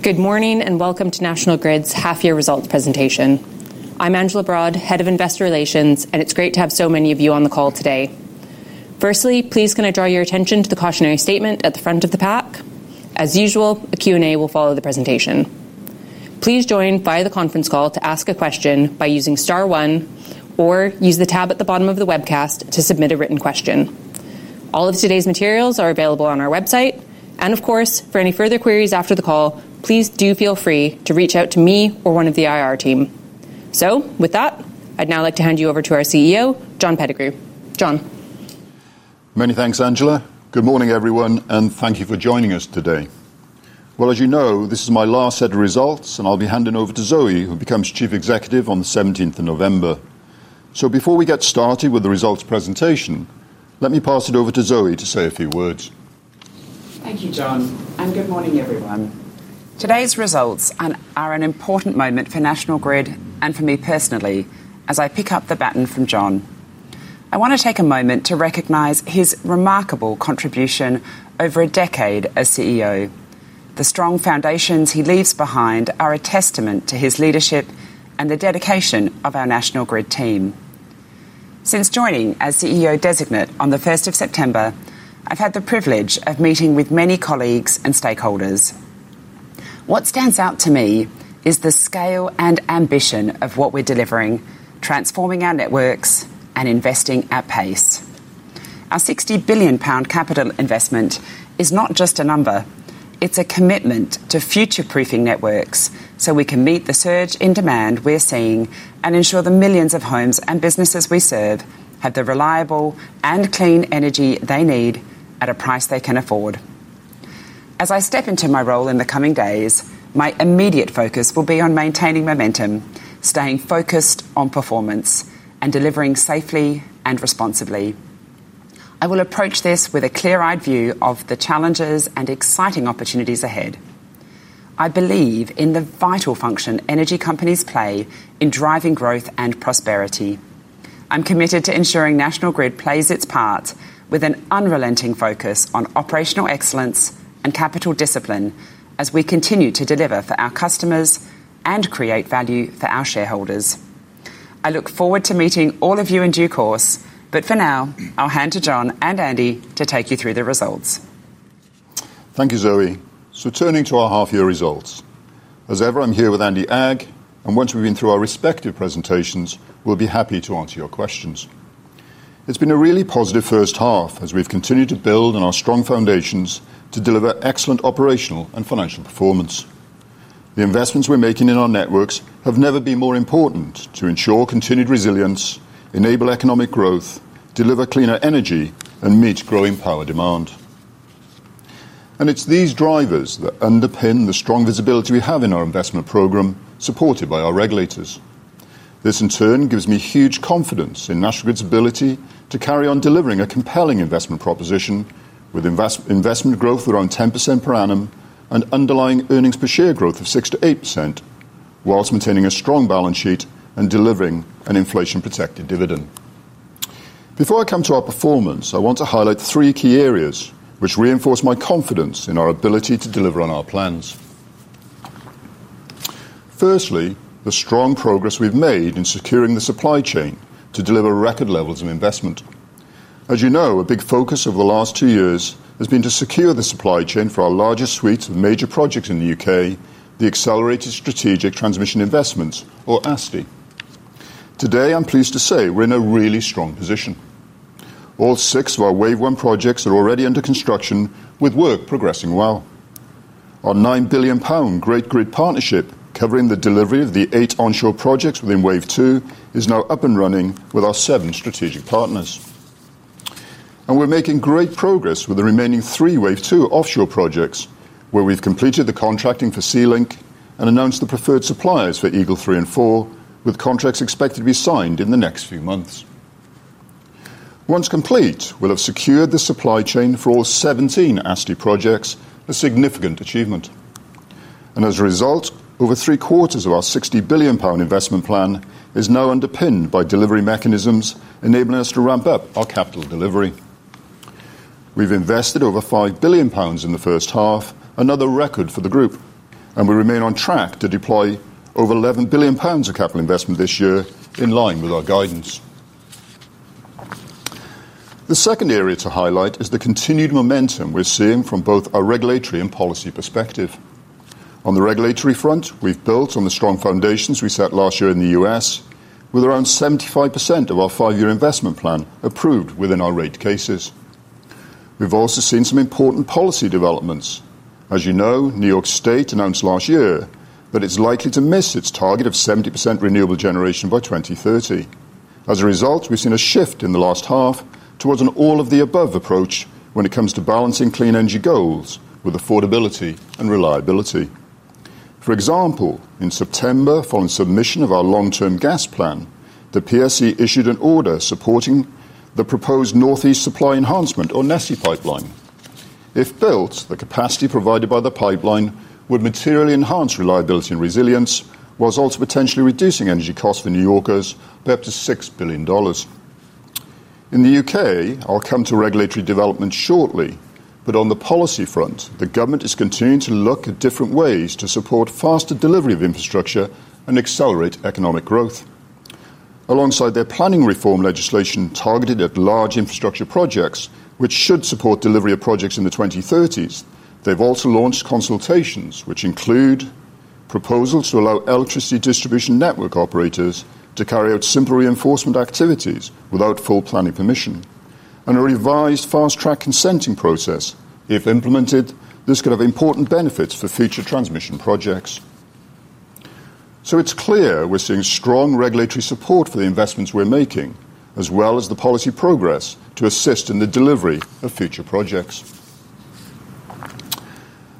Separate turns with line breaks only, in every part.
Good morning and welcome to National Grid's half-year results presentation. I'm Angela Broad, Head of Investor Relations, and it's great to have so many of you on the call today. Firstly, please can I draw your attention to the cautionary statement at the front of the pack? As usual, a Q&A will follow the presentation. Please join via the conference call to ask a question by using star one, or use the tab at the bottom of the webcast to submit a written question. All of today's materials are available on our website, and of course, for any further queries after the call, please do feel free to reach out to me or one of the IR team. With that, I'd now like to hand you over to our CEO, John Pettigrew. John.
Many thanks, Angela. Good morning, everyone, and thank you for joining us today. As you know, this is my last set of results, and I'll be handing over to Zoë, who becomes Chief Executive on the 17th of November. Before we get started with the results presentation, let me pass it over to Zoë to say a few words.
Thank you, John, and good morning, everyone. Today's results are an important moment for National Grid and for me personally, as I pick up the baton from John. I want to take a moment to recognize his remarkable contribution over a decade as CEO. The strong foundations he leaves behind are a testament to his leadership and the dedication of our National Grid team. Since joining as CEO designate on the 1st of September, I've had the privilege of meeting with many colleagues and stakeholders. What stands out to me is the scale and ambition of what we're delivering, transforming our networks and investing at pace. Our GBP 60 billion capital investment is not just a number; it's a commitment to future-proofing networks so we can meet the surge in demand we're seeing and ensure the millions of homes and businesses we serve have the reliable and clean energy they need at a price they can afford. As I step into my role in the coming days, my immediate focus will be on maintaining momentum, staying focused on performance, and delivering safely and responsibly. I will approach this with a clear-eyed view of the challenges and exciting opportunities ahead. I believe in the vital function energy companies play in driving growth and prosperity. I'm committed to ensuring National Grid plays its part with an unrelenting focus on operational excellence and capital discipline as we continue to deliver for our customers and create value for our shareholders. I look forward to meeting all of you in due course, but for now, I'll hand to John and Andy to take you through the results.
Thank you, Zoë. Turning to our half-year results. As ever, I'm here with Andy Agg, and once we've been through our respective presentations, we'll be happy to answer your questions. It's been a really positive first half as we've continued to build on our strong foundations to deliver excellent operational and financial performance. The investments we're making in our networks have never been more important to ensure continued resilience, enable economic growth, deliver cleaner energy, and meet growing power demand. These drivers underpin the strong visibility we have in our investment program, supported by our regulators. This, in turn, gives me huge confidence in National Grid's ability to carry on delivering a compelling investment proposition with investment growth around 10% per annum and underlying earnings per share growth of 6%-8%, whilst maintaining a strong balance sheet and delivering an inflation-protected dividend. Before I come to our performance, I want to highlight three key areas which reinforce my confidence in our ability to deliver on our plans. Firstly, the strong progress we've made in securing the supply chain to deliver record levels of investment. As you know, a big focus over the last two years has been to secure the supply chain for our largest suite of major projects in the U.K., the Accelerated Strategic Transmission Investments, or ASTI. Today, I'm pleased to say we're in a really strong position. All six of our Wave 1 projects are already under construction, with work progressing well. Our 9 billion pound Great Grid Partnership, covering the delivery of the eight onshore projects within Wave 2, is now up and running with our seven strategic partners. We are making great progress with the remaining three Wave 2 offshore projects, where we have completed the contracting for Sea Link and announced the preferred suppliers for EGL 3 and 4, with contracts expected to be signed in the next few months. Once complete, we will have secured the supply chain for all 17 ASTI projects, a significant achievement. As a result, over three-quarters of our 60 billion pound investment plan is now underpinned by delivery mechanisms enabling us to ramp up our capital delivery. We have invested over 5 billion pounds in the first half, another record for the group, and we remain on track to deploy over 11 billion pounds of capital investment this year, in line with our guidance. The second area to highlight is the continued momentum we are seeing from both our regulatory and policy perspective. On the regulatory front, we've built on the strong foundations we set last year in the U.S., with around 75% of our five-year investment plan approved within our rate cases. We've also seen some important policy developments. As you know, New York State announced last year that it's likely to miss its target of 70% renewable generation by 2030. As a result, we've seen a shift in the last half towards an all-of-the-above approach when it comes to balancing clean energy goals with affordability and reliability. For example, in September, following submission of our long-term gas plan, the PSC issued an order supporting the proposed Northeast Supply Enhancement, or NESE, pipeline. If built, the capacity provided by the pipeline would materially enhance reliability and resilience, while also potentially reducing energy costs for New Yorkers by up to $6 billion. In the U.K., I'll come to regulatory developments shortly, but on the policy front, the government is continuing to look at different ways to support faster delivery of infrastructure and accelerate economic growth. Alongside their planning reform legislation targeted at large infrastructure projects, which should support delivery of projects in the 2030s, they've also launched consultations, which include proposals to allow electricity distribution network operators to carry out simple reinforcement activities without full planning permission, and a revised fast-track consenting process. If implemented, this could have important benefits for future transmission projects. It is clear we're seeing strong regulatory support for the investments we're making, as well as the policy progress to assist in the delivery of future projects.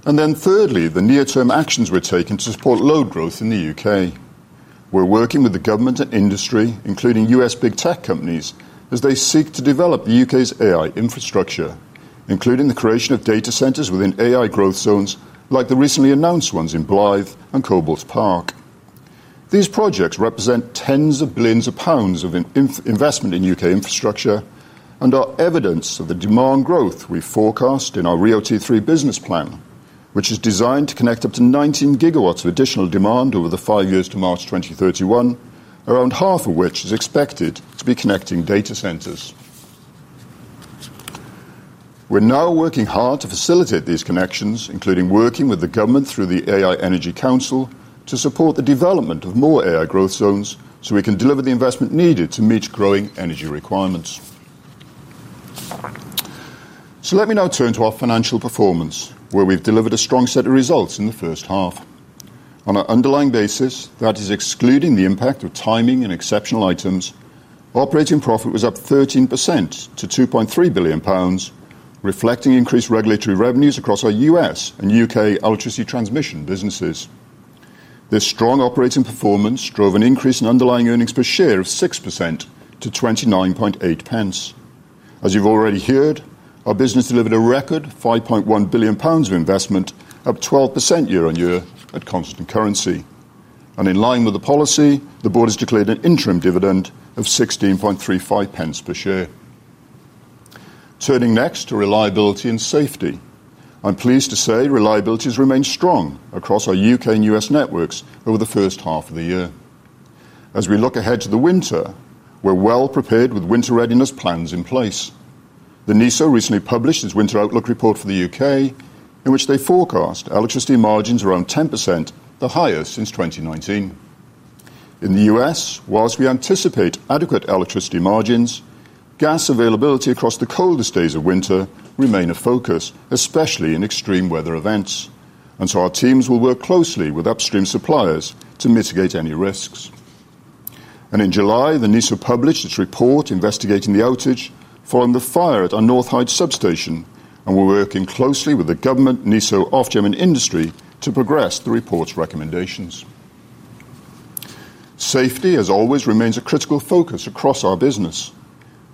Thirdly, the near-term actions we're taking to support load growth in the U.K. We're working with the government and industry, including U.S. big tech companies, as they seek to develop the U.K.'s AI infrastructure, including the creation of data centers within AI growth zones like the recently announced ones in Blythe and Cobalt Park. These projects represent tens of billions of GBP of investment in U.K. infrastructure and are evidence of the demand growth we've forecast in our RIIO-T3 business plan, which is designed to connect up to 19 gigawatts of additional demand over the five years to March 2031, around half of which is expected to be connecting data centers. We're now working hard to facilitate these connections, including working with the government through the AI Energy Council to support the development of more AI growth zones so we can deliver the investment needed to meet growing energy requirements. Let me now turn to our financial performance, where we've delivered a strong set of results in the first half. On an underlying basis, that is excluding the impact of timing and exceptional items, operating profit was up 13% to 2.3 billion pounds, reflecting increased regulatory revenues across our U.S. and U.K. electricity transmission businesses. This strong operating performance drove an increase in underlying earnings per share of 6% to 29.8. As you've already heard, our business delivered a record 5.1 billion pounds of investment, up 12% year-on-year at constant currency. In line with the policy, the board has declared an interim dividend of 16.35 per share. Turning next to reliability and safety, I'm pleased to say reliability has remained strong across our U.K. and U.S. networks over the first half of the year. As we look ahead to the winter, we're well prepared with winter readiness plans in place. The National Grid ESO recently published its winter outlook report for the U.K., in which they forecast electricity margins around 10%, the highest since 2019. In the U.S., whilst we anticipate adequate electricity margins, gas availability across the coldest days of winter remains a focus, especially in extreme weather events. Our teams will work closely with upstream suppliers to mitigate any risks. In July, the National Grid ESO published its report investigating the outage, following the fire at our North Hyde substation, and we're working closely with the government, National Grid ESO, Ofgem, and industry to progress the report's recommendations. Safety, as always, remains a critical focus across our business.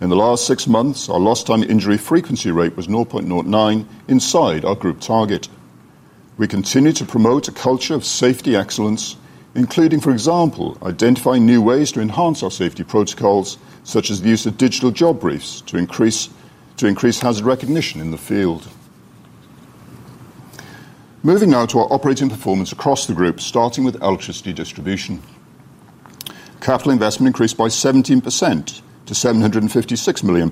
In the last six months, our Lost-Time Injury Frequency Rate was 0.09 inside our group target. We continue to promote a culture of safety excellence, including, for example, identifying new ways to enhance our safety protocols, such as the use of digital job briefs to increase hazard recognition in the field. Moving now to our operating performance across the group, starting with electricity distribution. Capital investment increased by 17% to GBP 756 million,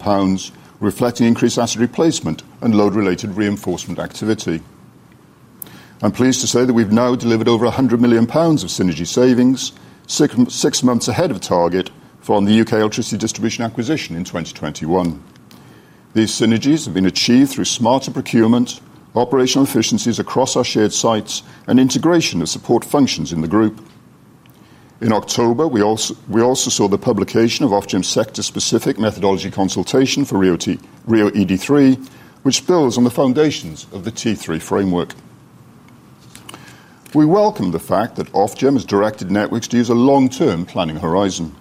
reflecting increased asset replacement and load-related reinforcement activity. I'm pleased to say that we've now delivered over 100 million pounds of synergy savings, six months ahead of target, following the U.K. electricity distribution acquisition in 2021. These synergies have been achieved through smarter procurement, operational efficiencies across our shared sites, and integration of support functions in the group. In October, we also saw the publication of Ofgem sector-specific methodology consultation for RIIO-T3, which builds on the foundations of the T3 framework. We welcome the fact that Ofgem has directed networks to use a long-term planning horizon.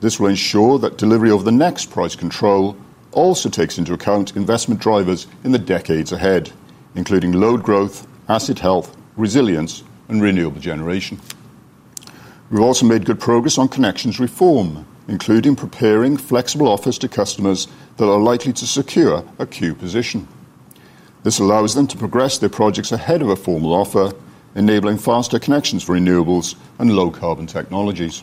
This will ensure that delivery of the next price control also takes into account investment drivers in the decades ahead, including load growth, asset health, resilience, and renewable generation. We've also made good progress on Connections Reform, including preparing flexible offers to customers that are likely to secure a queue position. This allows them to progress their projects ahead of a formal offer, enabling faster connections for renewables and low-carbon technologies.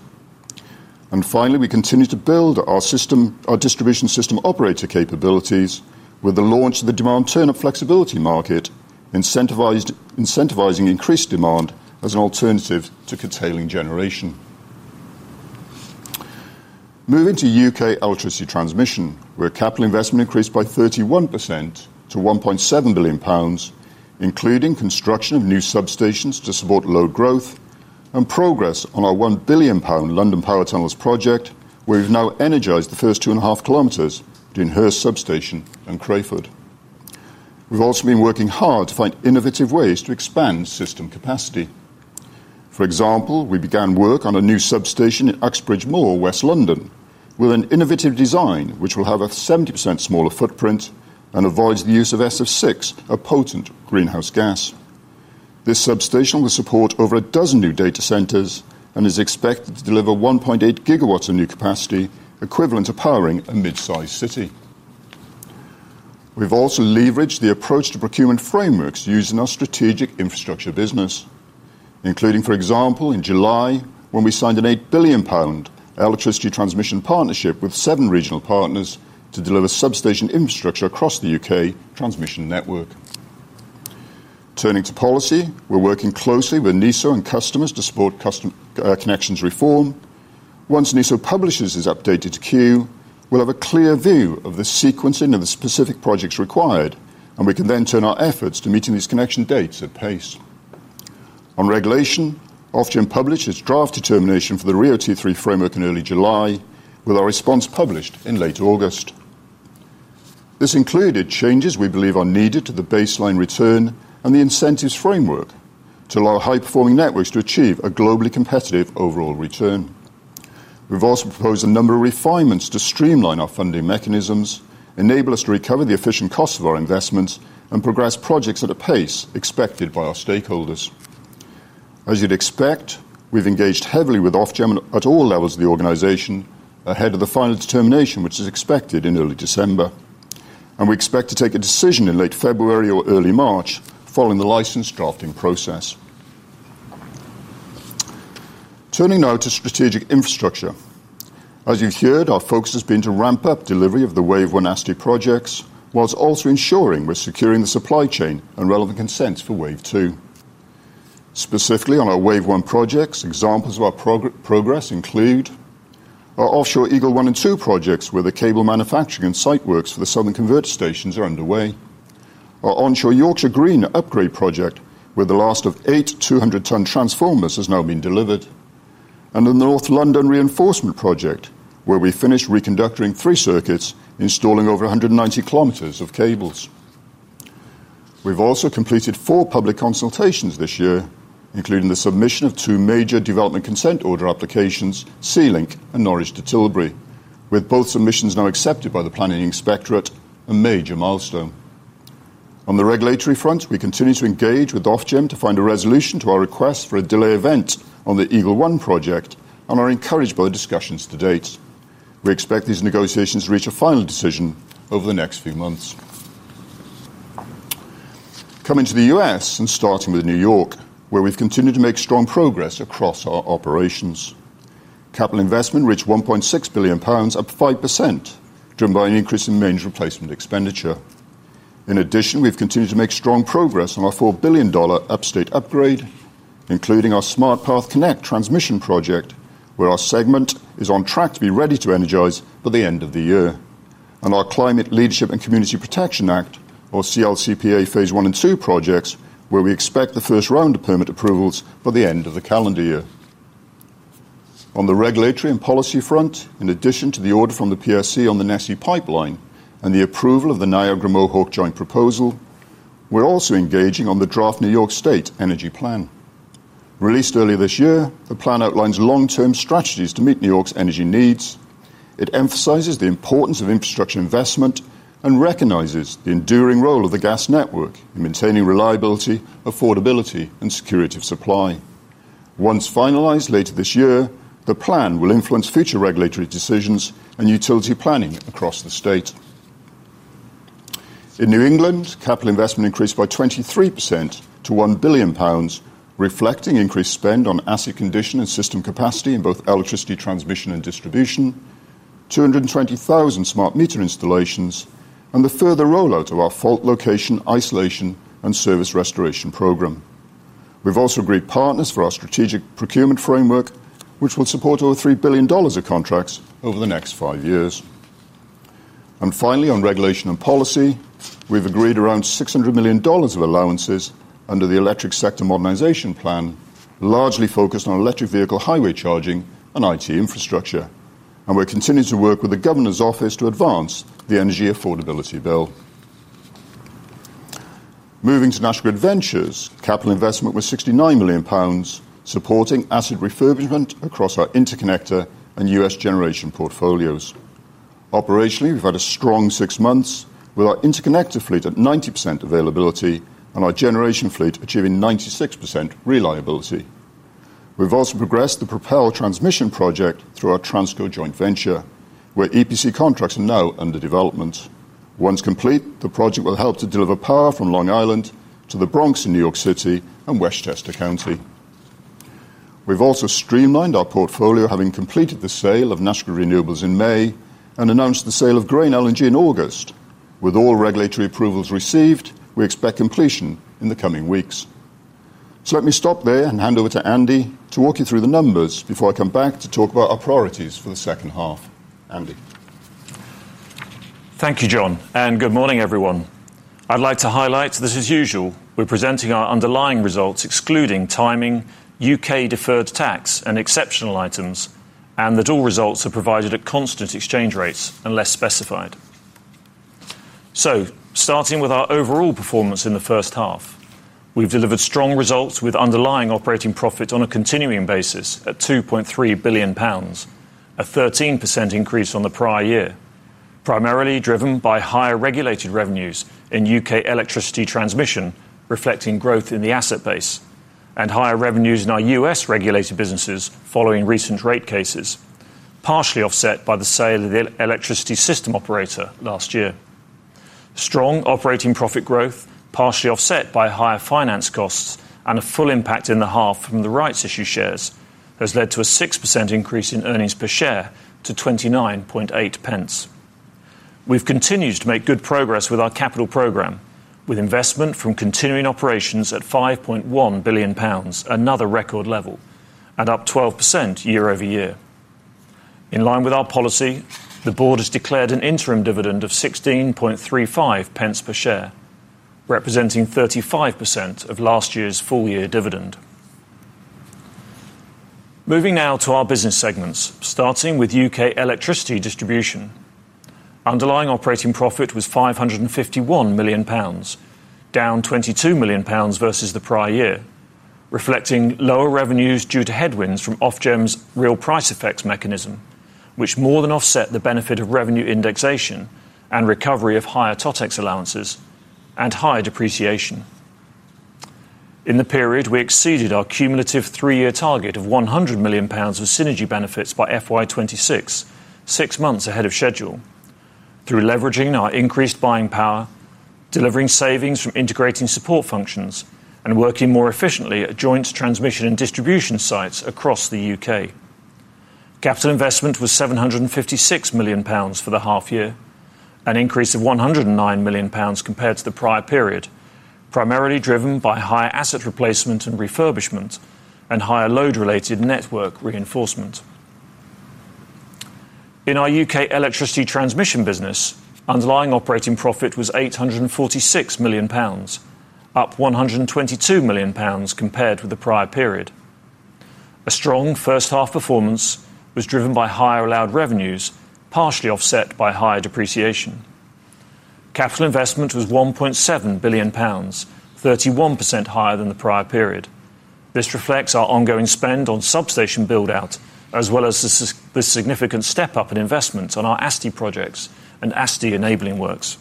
Finally, we continue to build our distribution system operator capabilities with the launch of the Demand Turn Up Flexibility Market, incentivizing increased demand as an alternative to curtailing generation. Moving to U.K. electricity transmission, where capital investment increased by 31% to 1.7 billion pounds, including construction of new substations to support load growth, and progress on our 1 billion pound London Power Tunnels project, where we've now energized the first 2.5 km to enhance substation and Crawford. We've also been working hard to find innovative ways to expand system capacity. For example, we began work on a new substation in Uxbridge Moor, West London, with an innovative design which will have a 70% smaller footprint and avoids the use of SF6, a potent greenhouse gas. This substation will support over a dozen new data centers and is expected to deliver 1.8 GW of new capacity, equivalent to powering a mid-sized city. We've also leveraged the approach to procurement frameworks used in our strategic infrastructure business. Including, for example, in July, when we signed a 8 billion pound electricity transmission partnership with seven regional partners to deliver substation infrastructure across the U.K. transmission network. Turning to policy, we're working closely with NESO and customers to support Connections Reform. Once NESO publishes its updated queue, we'll have a clear view of the sequencing of the specific projects required, and we can then turn our efforts to meeting these connection dates at pace. On regulation, Ofgem published its draft determination for the RIIO-T3 framework in early July, with our response published in late August. This included changes we believe are needed to the baseline return and the incentives framework to allow high-performing networks to achieve a globally competitive overall return. We've also proposed a number of refinements to streamline our funding mechanisms, enable us to recover the efficient costs of our investments, and progress projects at a pace expected by our stakeholders. As you'd expect, we've engaged heavily with Ofgem at all levels of the organization ahead of the final determination, which is expected in early December. We expect to take a decision in late February or early March, following the license drafting process. Turning now to strategic infrastructure. As you've heard, our focus has been to ramp up delivery of the Wave 1 ASTI projects, whilst also ensuring we're securing the supply chain and relevant consents for Wave 2. Specifically, on our Wave 1 projects, examples of our progress include our offshore EGL 1 and 2 projects, where the cable manufacturing and site works for the Southern Converter stations are underway. Our onshore Yorkshire Green upgrade project, where the last of eight 200-ton transformers has now been delivered. The North London reinforcement project, where we finished reconducting three circuits, installing over 190 km of cables. We have also completed four public consultations this year, including the submission of two major development consent order applications, Sea Link and Norwich to Tilbury, with both submissions now accepted by the planning inspectorate, a major milestone. On the regulatory front, we continue to engage with Ofgem to find a resolution to our request for a delay event on the EGL 1 project, and are encouraged by the discussions to date. We expect these negotiations to reach a final decision over the next few months. Coming to the U.S. and starting with New York, where we have continued to make strong progress across our operations. Capital investment reached 1.6 billion pounds, up 5%, driven by an increase in maintenance replacement expenditure. In addition, we have continued to make strong progress on our $4 billion upstate upgrade, including our SmartPath Connect transmission project, where our segment is on track to be ready to energize by the end of the year. Our Climate Leadership and Community Protection Act, or CLCPA phase I and II projects, are where we expect the first round of permit approvals by the end of the calendar year. On the regulatory and policy front, in addition to the order from the PSC on the NESE pipeline and the approval of the Niagara Mohawk joint proposal, we are also engaging on the draft New York State Energy Plan. Released earlier this year, the plan outlines long-term strategies to meet New York's energy needs. It emphasizes the importance of infrastructure investment and recognizes the enduring role of the gas network in maintaining reliability, affordability, and security of supply. Once finalized later this year, the plan will influence future regulatory decisions and utility planning across the state. In New England, capital investment increased by 23% to 1 billion pounds, reflecting increased spend on asset condition and system capacity in both electricity transmission and distribution, 220,000 smart meter installations, and the further rollout of our fault location isolation and service restoration program. We have also agreed partners for our strategic procurement framework, which will support over $3 billion of contracts over the next five years. Finally, on regulation and policy, we have agreed around $600 million of allowances under the Electric Sector Modernization Plan, largely focused on electric vehicle highway charging and IT infrastructure. We are continuing to work with the Governor's Office to advance the energy affordability bill. Moving to Nashua Adventures, capital investment was 69 million pounds, supporting asset refurbishment across our interconnector and U.S. generation portfolios. Operationally, we have had a strong six months, with our interconnector fleet at 90% availability and our generation fleet achieving 96% reliability. We have also progressed the Propel Transmission project through our Transco joint venture, where EPC contracts are now under development. Once complete, the project will help to deliver power from Long Island to the Bronx in New York City and Westchester County. We have also streamlined our portfolio, having completed the sale of Nashua Renewables in May and announced the sale of Grain LNG in August. With all regulatory approvals received, we expect completion in the coming weeks. Let me stop there and hand over to Andy to walk you through the numbers before I come back to talk about our priorities for the second half. Andy.
Thank you, John. Good morning, everyone. I'd like to highlight, as usual, we're presenting our underlying results, excluding timing, U.K.-deferred tax, and exceptional items, and that all results are provided at constant exchange rates unless specified. Starting with our overall performance in the first half, we've delivered strong results with underlying operating profit on a continuing basis at 2.3 billion pounds, a 13% increase from the prior year, primarily driven by higher regulated revenues in U.K. electricity transmission, reflecting growth in the asset base, and higher revenues in our U.S.-regulated businesses following recent rate cases, partially offset by the sale of the electricity system operator last year. Strong operating profit growth, partially offset by higher finance costs and a full impact in the half from the rights-issued shares, has led to a 6% increase in earnings per share to 29.8. We've continued to make good progress with our capital program, with investment from continuing operations at 5.1 billion pounds, another record level, and up 12% year over year. In line with our policy, the board has declared an interim dividend of 16.35 per share, representing 35% of last year's full-year dividend. Moving now to our business segments, starting with U.K. electricity distribution. Underlying operating profit was 551 million pounds, down 22 million pounds versus the prior year, reflecting lower revenues due to headwinds from Ofgem's real price effects mechanism, which more than offset the benefit of revenue indexation and recovery of higher TOTEX allowances and higher depreciation. In the period, we exceeded our cumulative three-year target of 100 million pounds of synergy benefits by FY2026, six months ahead of schedule, through leveraging our increased buying power, delivering savings from integrating support functions, and working more efficiently at joint transmission and distribution sites across the U.K. Capital investment was 756 million pounds for the half-year, an increase of 109 million pounds compared to the prior period, primarily driven by higher asset replacement and refurbishment and higher load-related network reinforcement. In our U.K. electricity transmission business, underlying operating profit was 846 million pounds, up 122 million pounds compared with the prior period. A strong first half performance was driven by higher allowed revenues, partially offset by higher depreciation. Capital investment was 1.7 billion pounds, 31% higher than the prior period. This reflects our ongoing spend on substation build-out, as well as the significant step-up in investment on our ASTI projects and ASTI enabling works.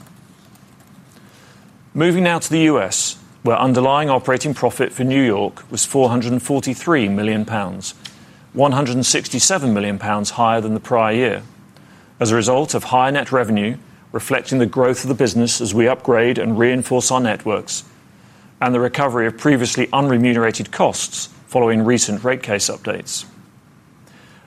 Moving now to the U.S., where underlying operating profit for New York was 443 million pounds, 167 million pounds higher than the prior year, as a result of higher net revenue reflecting the growth of the business as we upgrade and reinforce our networks and the recovery of previously unremunerated costs following recent rate case updates.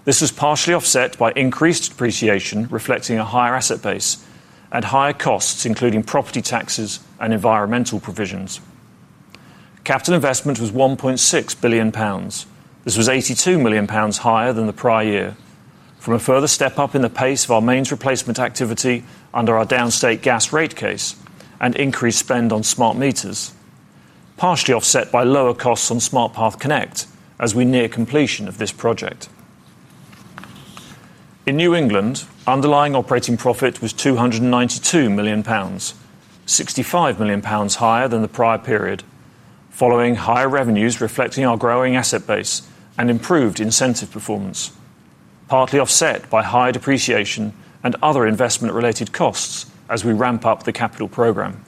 This was partially offset by increased depreciation, reflecting a higher asset base and higher costs, including property taxes and environmental provisions. Capital investment was 1.6 billion pounds. This was 82 million pounds higher than the prior year, from a further step-up in the pace of our maintenance replacement activity under our downstate gas rate case and increased spend on smart meters. Partially offset by lower costs on SmartPath Connect as we near completion of this project. In New England, underlying operating profit was 292 million pounds, 65 million pounds higher than the prior period, following higher revenues reflecting our growing asset base and improved incentive performance, partly offset by higher depreciation and other investment-related costs as we ramp up the capital program.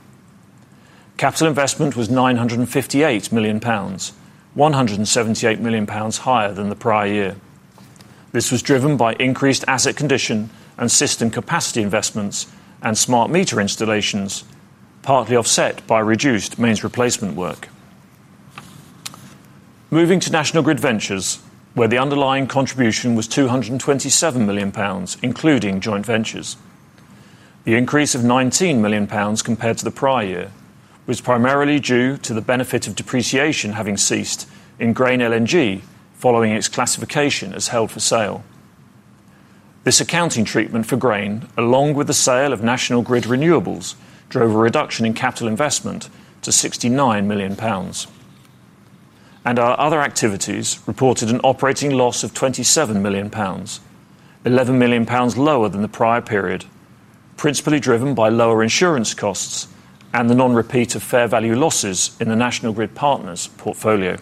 Capital investment was 958 million pounds, 178 million pounds higher than the prior year. This was driven by increased asset condition and system capacity investments and smart meter installations, partly offset by reduced maintenance replacement work. Moving to National Grid Ventures, where the underlying contribution was 227 million pounds, including joint ventures. The increase of 19 million pounds compared to the prior year was primarily due to the benefit of depreciation having ceased in Grain LNG following its classification as held for sale. This accounting treatment for Grain, along with the sale of National Grid Renewables, drove a reduction in capital investment to 69 million pounds. Our other activities reported an operating loss of 27 million pounds, 11 million pounds lower than the prior period. Principally driven by lower insurance costs and the non-repeat of fair value losses in the National Grid Partners portfolio.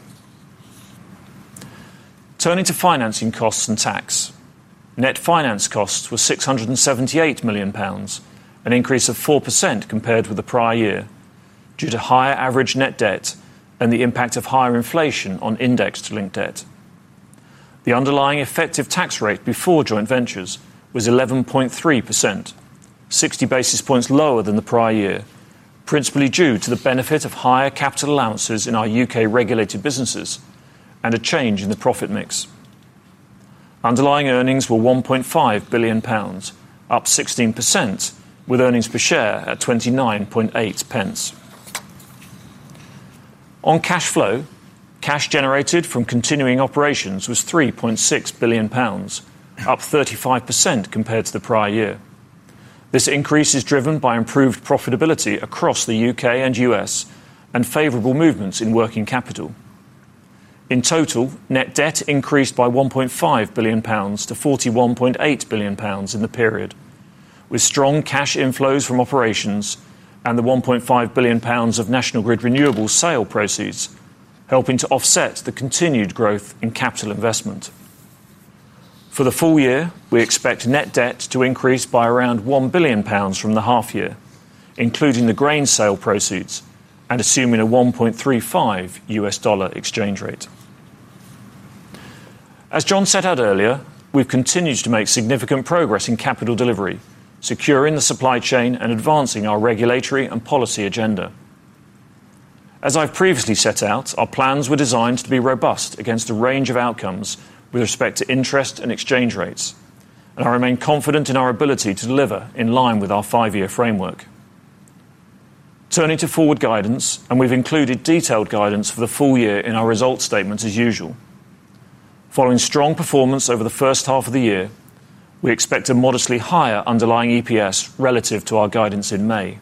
Turning to financing costs and tax, net finance costs were 678 million pounds, an increase of 4% compared with the prior year, due to higher average net debt and the impact of higher inflation on indexed linked debt. The underlying effective tax rate before joint ventures was 11.3%, 60 basis points lower than the prior year, principally due to the benefit of higher capital allowances in our U.K.-regulated businesses and a change in the profit mix. Underlying earnings were 1.5 billion pounds, up 16%, with earnings per share at 29.8. On cash flow, cash generated from continuing operations was 3.6 billion pounds, up 35% compared to the prior year. This increase is driven by improved profitability across the U.K. and U.S. and favorable movements in working capital. In total, net debt increased by 1.5 billion pounds to 41.8 billion pounds in the period. With strong cash inflows from operations and the 1.5 billion pounds of National Grid Renewables sale proceeds helping to offset the continued growth in capital investment. For the full year, we expect net debt to increase by around 1 billion pounds from the half-year, including the Grain LNG sale proceeds and assuming a 1.35 U.S. dollar exchange rate. As John set out earlier, we've continued to make significant progress in capital delivery, securing the supply chain and advancing our regulatory and policy agenda. As I've previously set out, our plans were designed to be robust against a range of outcomes with respect to interest and exchange rates, and I remain confident in our ability to deliver in line with our five-year framework. Turning to forward guidance, we have included detailed guidance for the full year in our results statement as usual. Following strong performance over the first half of the year, we expect a modestly higher underlying EPS relative to our guidance in May.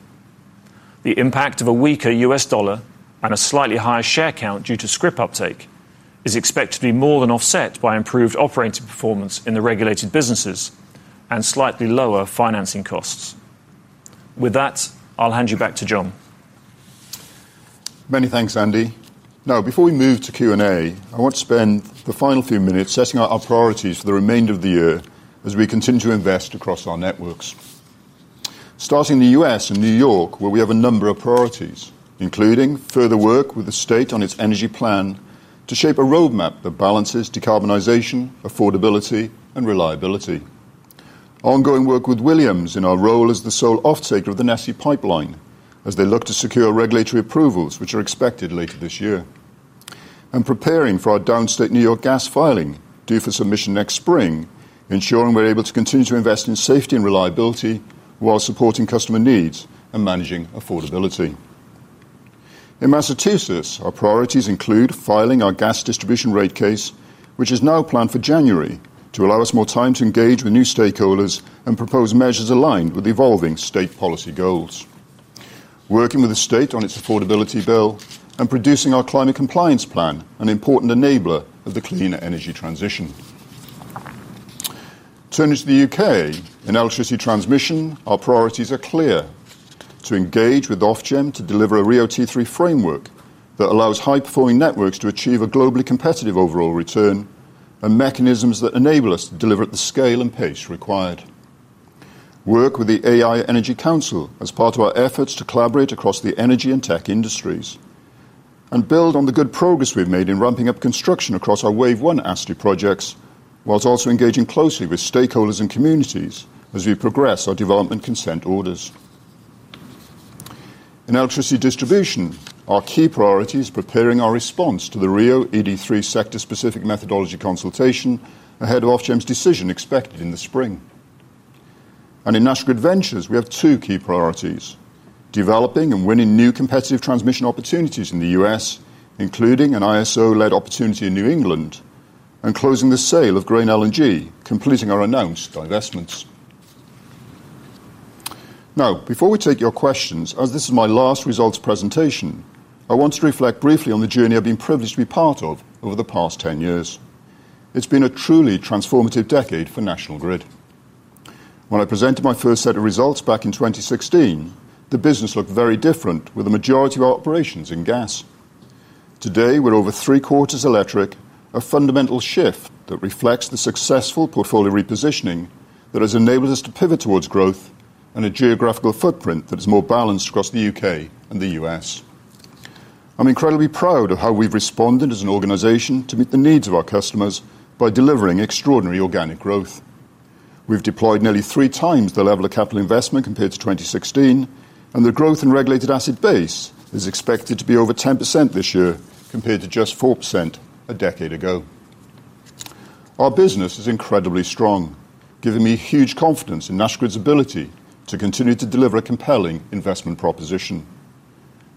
The impact of a weaker U.S. dollar and a slightly higher share count due to Scrip uptake is expected to be more than offset by improved operating performance in the regulated businesses and slightly lower financing costs. With that, I'll hand you back to John.
Many thanks, Andy. Now, before we move to Q&A, I want to spend the final few minutes setting our priorities for the remainder of the year as we continue to invest across our networks. Starting in the U.S. and New York, where we have a number of priorities, including further work with the state on its energy plan to shape a roadmap that balances decarbonization, affordability, and reliability. Ongoing work with Williams in our role as the sole offtaker of the NESE pipeline as they look to secure regulatory approvals, which are expected later this year. Preparing for our downstate New York gas filing due for submission next spring, ensuring we're able to continue to invest in safety and reliability while supporting customer needs and managing affordability. In Massachusetts, our priorities include filing our gas distribution rate case, which is now planned for January, to allow us more time to engage with new stakeholders and propose measures aligned with evolving state policy goals. Working with the state on its affordability bill and producing our climate compliance plan, an important enabler of the clean energy transition. Turning to the U.K., in electricity transmission, our priorities are clear: to engage with Ofgem to deliver a RIIO-T3 framework that allows high-performing networks to achieve a globally competitive overall return and mechanisms that enable us to deliver at the scale and pace required. Work with the AI Energy Council as part of our efforts to collaborate across the energy and tech industries. We build on the good progress we have made in ramping up construction across our Wave 1 ASTI projects, whilst also engaging closely with stakeholders and communities as we progress our development consent orders. In electricity distribution, our key priority is preparing our response to the RIIO-ET3 sector-specific methodology consultation ahead of Ofgem's decision expected in the spring. In National Grid Ventures, we have two key priorities: developing and winning new competitive transmission opportunities in the U.S., including an ISO-led opportunity in New England, and closing the sale of Grain LNG, completing our announced divestments. Now, before we take your questions, as this is my last results presentation, I want to reflect briefly on the journey I have been privileged to be part of over the past 10 years. It has been a truly transformative decade for National Grid. When I presented my first set of results back in 2016, the business looked very different, with the majority of our operations in gas. Today, we're over three-quarters electric, a fundamental shift that reflects the successful portfolio repositioning that has enabled us to pivot towards growth and a geographical footprint that is more balanced across the U.K. and the U.S. I'm incredibly proud of how we've responded as an organization to meet the needs of our customers by delivering extraordinary organic growth. We've deployed nearly three times the level of capital investment compared to 2016, and the growth in regulated asset base is expected to be over 10% this year compared to just 4% a decade ago. Our business is incredibly strong, giving me huge confidence in National Grid's ability to continue to deliver a compelling investment proposition.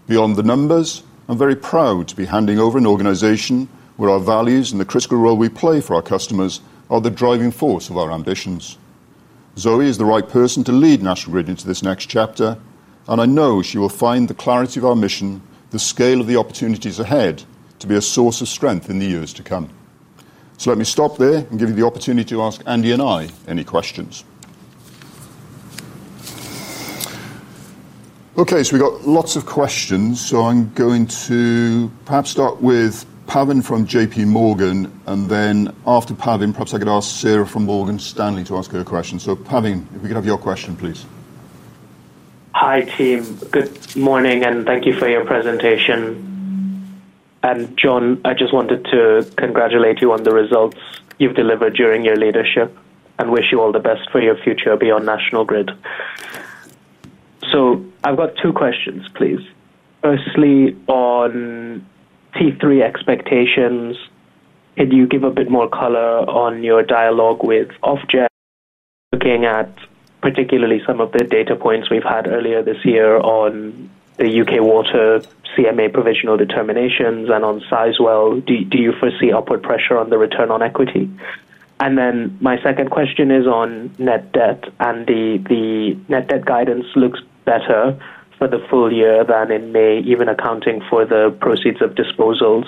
Beyond the numbers, I'm very proud to be handing over an organization where our values and the critical role we play for our customers are the driving force of our ambitions. Zoë is the right person to lead National Grid into this next chapter, and I know she will find the clarity of our mission, the scale of the opportunities ahead to be a source of strength in the years to come. Let me stop there and give you the opportunity to ask Andy and me any questions. Okay, we have lots of questions, so I'm going to perhaps start with Pavan from JPMorgan, and then after Pavan, perhaps I could ask Sarah from Morgan Stanley to ask her question. Pavan, if we could have your question, please. Hi team, good morning and thank you for your presentation. John, I just wanted to congratulate you on the results you've delivered during your leadership and wish you all the best for your future beyond National Grid. I've got two questions, please. Firstly, on T3 expectations. Can you give a bit more color on your dialogue with Ofgem, looking at particularly some of the data points we've had earlier this year on the U.K. water CMA provisional determinations and on Sizewell? Do you foresee upward pressure on the return on equity? My second question is on net debt. The net debt guidance looks better for the full year than in May, even accounting for the proceeds of disposals.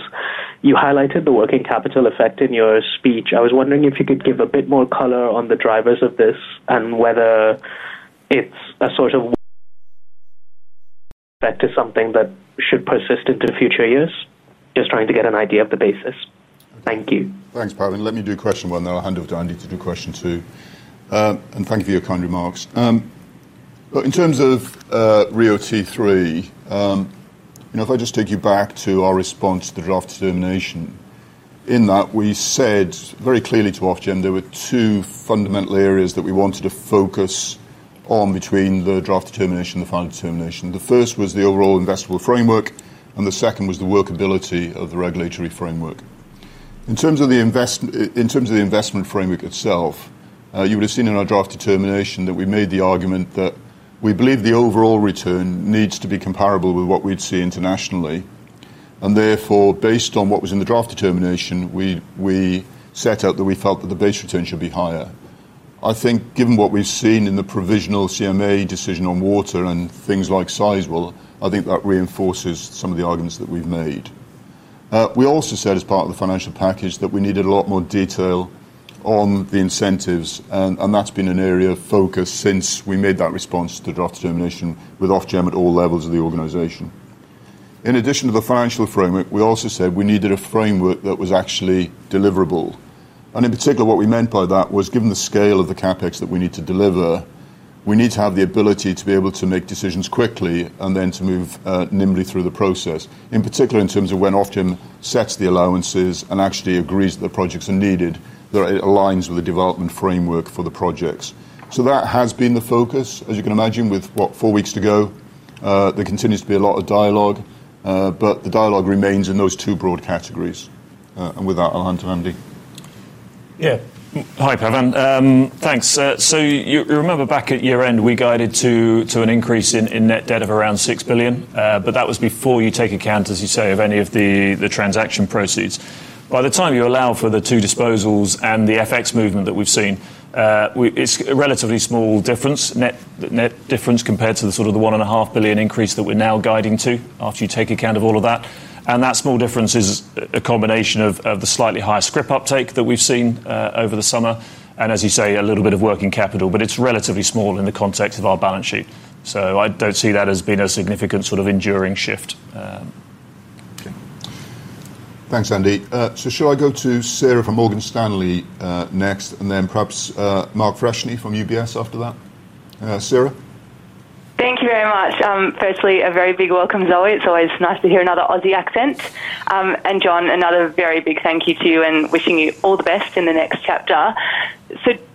You highlighted the working capital effect in your speech. I was wondering if you could give a bit more color on the drivers of this and whether it's a sort of. Effect is something that should persist into future years. Just trying to get an idea of the basis. Thank you. Thanks, Pavan. Let me do question one now. I'll hand it over to Andy to do question two. Thank you for your kind remarks. In terms of RIIO-T3, if I just take you back to our response to the draft determination, in that we said very clearly to Ofgem there were two fundamental areas that we wanted to focus on between the draft determination and the final determination. The first was the overall investable framework, and the second was the workability of the regulatory framework. In terms of the investment framework itself, you would have seen in our draft determination that we made the argument that we believe the overall return needs to be comparable with what we'd see internationally. Therefore, based on what was in the draft determination, we set out that we felt that the base return should be higher. I think given what we've seen in the provisional CMA decision on water and things like Sizewell, I think that reinforces some of the arguments that we've made. We also said, as part of the financial package, that we needed a lot more detail on the incentives, and that's been an area of focus since we made that response to the draft determination with Ofgem at all levels of the organization. In addition to the financial framework, we also said we needed a framework that was actually deliverable. In particular, what we meant by that was, given the scale of the CapEx that we need to deliver, we need to have the ability to be able to make decisions quickly and then to move nimbly through the process, in particular in terms of when Ofgem sets the allowances and actually agrees that the projects are needed, that it aligns with the development framework for the projects. That has been the focus, as you can imagine, with what, four weeks to go. There continues to be a lot of dialogue, but the dialogue remains in those two broad categories. With that, I'll hand to Andy.
Yeah. Hi, Pavan. Thanks. You remember back at year-end, we guided to an increase in net debt of around 6 billion, but that was before you take account, as you say, of any of the transaction proceeds. By the time you allow for the two disposals and the FX movement that we've seen, it's a relatively small difference, net difference compared to the sort of the 1.5 billion increase that we're now guiding to after you take account of all of that. That small difference is a combination of the slightly higher Scrip uptake that we've seen over the summer, and as you say, a little bit of working capital, but it's relatively small in the context of our balance sheet. I don't see that as being a significant sort of enduring shift.
Okay. Thanks, Andy. Should I go to Sarah from Morgan Stanley next, and then perhaps Mark Freshney from UBS after that? Sarah? Thank you very much. Firstly, a very big welcome, Zoë. It's always nice to hear another Aussie accent. John, another very big thank you to you and wishing you all the best in the next chapter.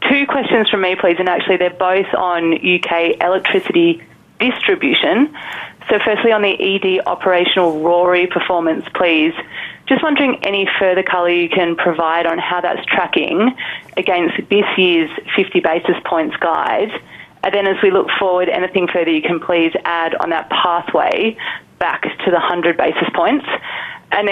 Two questions from me, please, and actually they're both on U.K. electricity distribution. Firstly, on the ED operational RORI performance, please. Just wondering any further color you can provide on how that's tracking against this year's 50 basis points guide. As we look forward, anything further you can please add on that pathway back to the 100 basis points.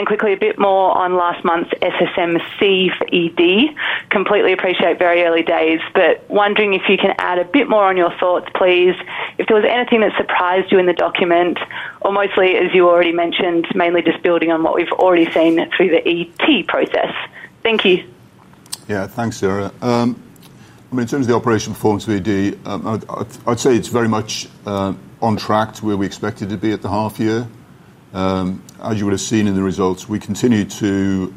Quickly, a bit more on last month's SSMC for ED. Completely appreciate very early days, but wondering if you can add a bit more on your thoughts, please, if there was anything that surprised you in the document, or mostly, as you already mentioned, mainly just building on what we've already seen through the ET process. Thank you. Yeah, thanks, Sarah. I mean, in terms of the operation performance of ET, I'd say it's very much on track to where we expected to be at the half-year. As you would have seen in the results, we continue to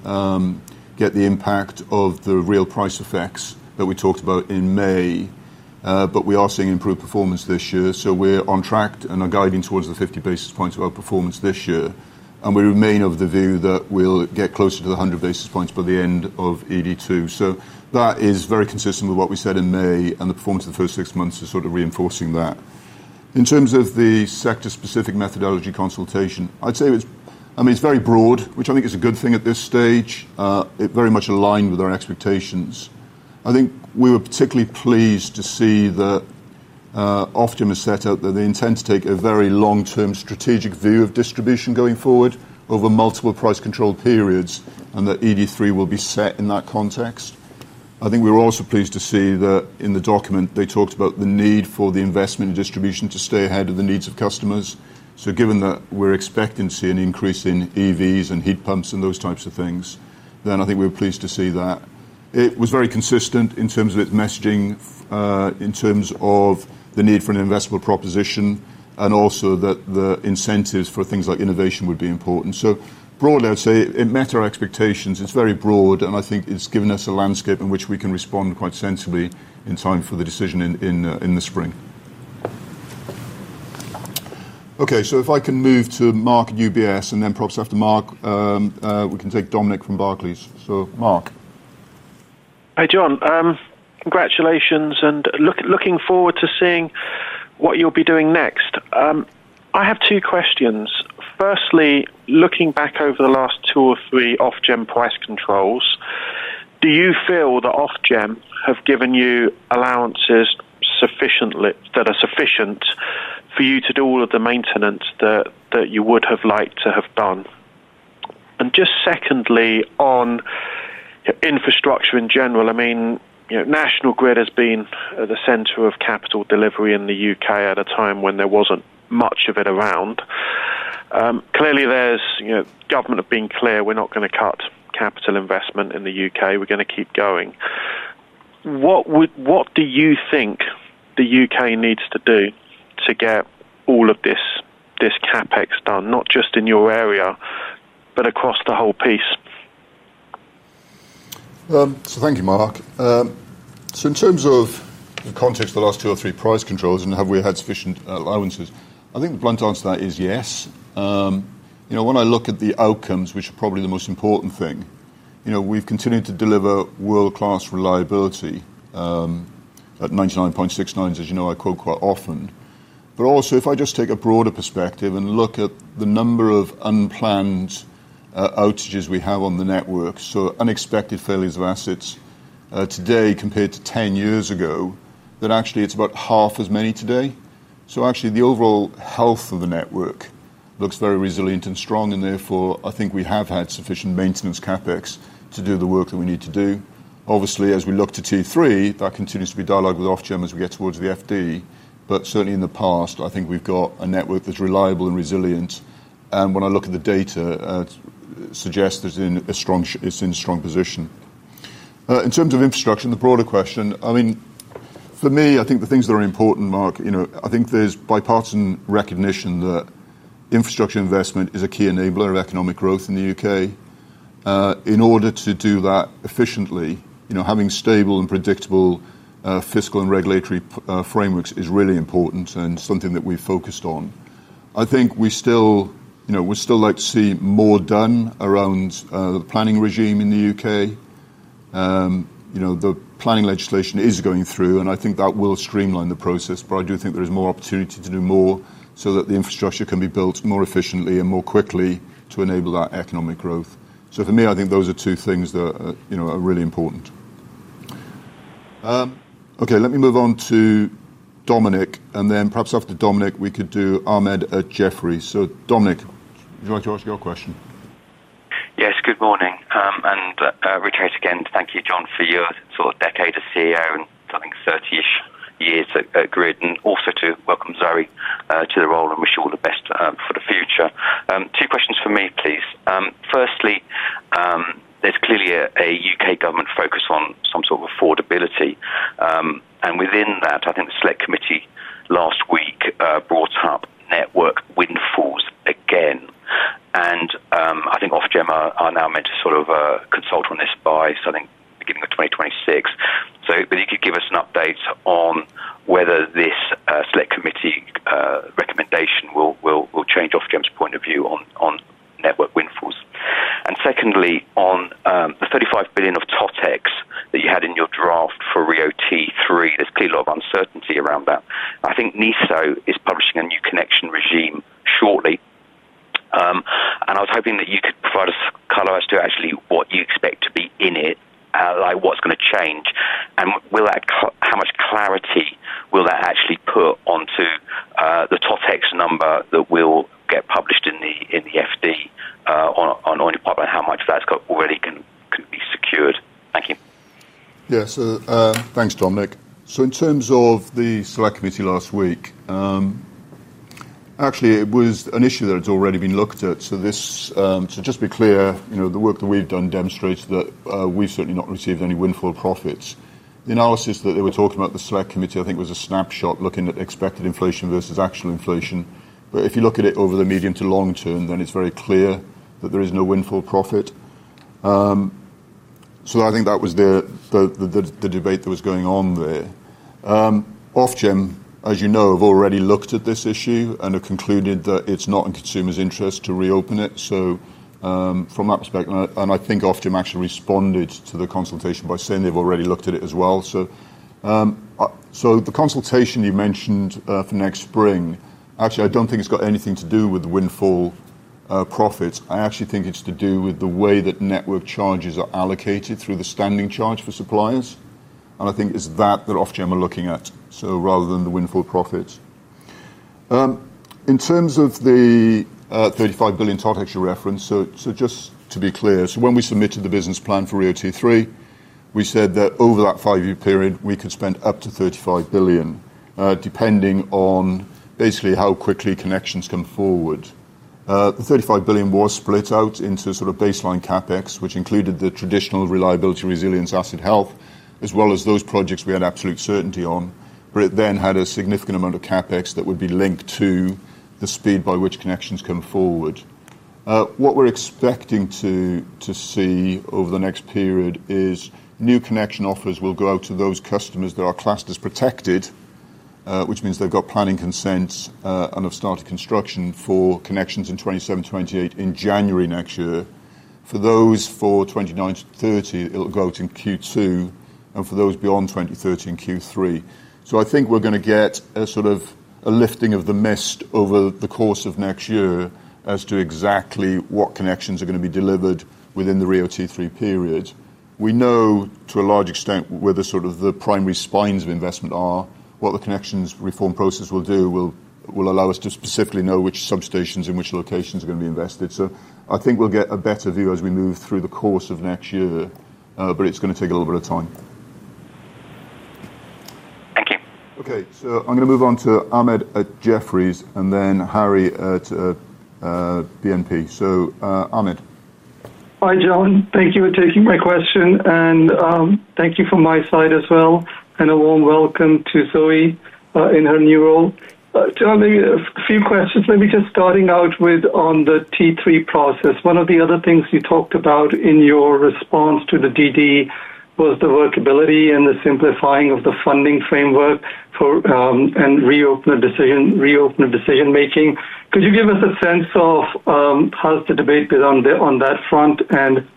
get the impact of the real price effects that we talked about in May. We are seeing improved performance this year. We are on track and are guiding towards the 50 basis points of our performance this year. We remain of the view that we'll get closer to the 100 basis points by the end of ET2. That is very consistent with what we said in May, and the performance of the first six months is sort of reinforcing that. In terms of the sector-specific methodology consultation, I'd say it's very broad, which I think is a good thing at this stage. It is very much aligned with our expectations. I think we were particularly pleased to see that. Ofgem has set out that they intend to take a very long-term strategic view of distribution going forward over multiple price control periods and that ET3 will be set in that context. I think we were also pleased to see that in the document, they talked about the need for the investment in distribution to stay ahead of the needs of customers. Given that we are expecting to see an increase in EVs and heat pumps and those types of things, I think we were pleased to see that. It was very consistent in terms of its messaging. In terms of the need for an investable proposition, and also that the incentives for things like innovation would be important. Broadly, I would say it met our expectations. It's very broad, and I think it's given us a landscape in which we can respond quite sensibly in time for the decision in the spring. Okay, if I can move to Mark at UBS, and then perhaps after Mark, we can take Dominic from Barclays. Mark.
Hi John. Congratulations, and looking forward to seeing what you'll be doing next. I have two questions. Firstly, looking back over the last two or three Ofgem price controls, do you feel the Ofgem have given you allowances that are sufficient for you to do all of the maintenance that you would have liked to have done? Just secondly, on infrastructure in general, I mean, National Grid has been at the center of capital delivery in the U.K. at a time when there wasn't much of it around. Clearly, the government have been clear, we're not going to cut capital investment in the U.K. We're going to keep going. What do you think the U.K. needs to do to get all of this CapEx done, not just in your area, but across the whole piece?
Thank you, Mark. In terms of the context of the last two or three price controls and have we had sufficient allowances, I think the blunt answer to that is yes. When I look at the outcomes, which are probably the most important thing, we've continued to deliver world-class reliability. At 99.69%, as you know, I quote quite often. Also, if I just take a broader perspective and look at the number of unplanned outages we have on the network, so unexpected failures of assets today compared to 10 years ago, actually it's about half as many today. Actually, the overall health of the network looks very resilient and strong, and therefore, I think we have had sufficient maintenance CapEx to do the work that we need to do. Obviously, as we look to T3, that continues to be dialogued with Ofgem as we get towards the FD, but certainly in the past, I think we've got a network that's reliable and resilient. When I look at the data, it suggests that it's in a strong position. In terms of infrastructure, the broader question, I mean, for me, I think the things that are important, Mark, I think there's bipartisan recognition that infrastructure investment is a key enabler of economic growth in the U.K. In order to do that efficiently, having stable and predictable fiscal and regulatory frameworks is really important and something that we've focused on. I think we still. Would still like to see more done around the planning regime in the U.K. The planning legislation is going through, and I think that will streamline the process, but I do think there is more opportunity to do more so that the infrastructure can be built more efficiently and more quickly to enable that economic growth. For me, I think those are two things that are really important. Okay, let me move on to Dominic, and then perhaps after Dominic, we could do Ahmed at Jefferies. Dominic, would you like to ask your question? Yes, good morning. Richard again, thank you, John, for your sort of decade as CEO and I think 30-ish years at Grid, and also to welcome Zoë to the role and wish you all the best for the future. Two questions for me, please. Firstly. There's clearly a U.K. government focus on some sort of affordability. Within that, I think the select committee last week brought up network windfalls again. I think Ofgem are now meant to sort of consult on this by, I think, beginning of 2026. If you could give us an update on whether this select committee recommendation will change Ofgem's point of view on network windfalls. Secondly, on the 35 billion of TOTEX that you had in your draft for RIIO-T3, there's clearly a lot of uncertainty around that. I think NESO is publishing a new connection regime shortly. I was hoping that you could provide us color as to actually what you expect to be in it, like what's going to change, and how much clarity will that actually put onto the TOTEX number that will get published in the FD on your part, and how much of that's already been secured. Thank you. Yeah, thanks, Dominic. In terms of the select committee last week, it was an issue that had already been looked at. Just to be clear, the work that we've done demonstrates that we've certainly not received any windfall profits. The analysis that they were talking about, the select committee, I think was a snapshot looking at expected inflation versus actual inflation. If you look at it over the medium to long term, then it's very clear that there is no windfall profit. I think that was. The debate that was going on there. Ofgem, as you know, have already looked at this issue and have concluded that it's not in consumers' interest to reopen it. From that perspective, and I think Ofgem actually responded to the consultation by saying they've already looked at it as well. The consultation you mentioned for next spring, actually, I don't think it's got anything to do with windfall profits. I actually think it's to do with the way that network charges are allocated through the standing charge for suppliers. I think it's that that Ofgem are looking at, rather than the windfall profits. In terms of the. 35 billion TOTEX you're referencing, so just to be clear, when we submitted the business plan for RIIO-T3, we said that over that five-year period, we could spend up to 35 billion, depending on basically how quickly connections come forward. The 35 billion was split out into sort of baseline CapEx, which included the traditional reliability, resilience, asset health, as well as those projects we had absolute certainty on, but it then had a significant amount of CapEx that would be linked to the speed by which connections come forward. What we're expecting to see over the next period is new connection offers will go out to those customers that are classed as protected, which means they've got planning consents and have started construction for connections in 2027, 2028, in January next year. For those for 2029, 2030, it'll go out in Q2, and for those beyond 2030 in Q3. I think we're going to get a sort of a lifting of the mist over the course of next year as to exactly what connections are going to be delivered within the RIIO-T3 period. We know to a large extent where the sort of the primary spines of investment are, what the Connections Reform process will do will allow us to specifically know which substations and which locations are going to be invested. I think we'll get a better view as we move through the course of next year, but it's going to take a little bit of time. Thank you. Okay, I'm going to move on to Ahmed at Jefferies and then Harry at BNP. So Ahmed. Hi John, thank you for taking my question, and thank you from my side as well, and a warm welcome to Zoë in her new role. John, a few questions. Maybe just starting out with on the T3 process, one of the other things you talked about in your response to the DD was the workability and the simplifying of the funding framework and reopener decision-making. Could you give us a sense of how's the debate been on that front, and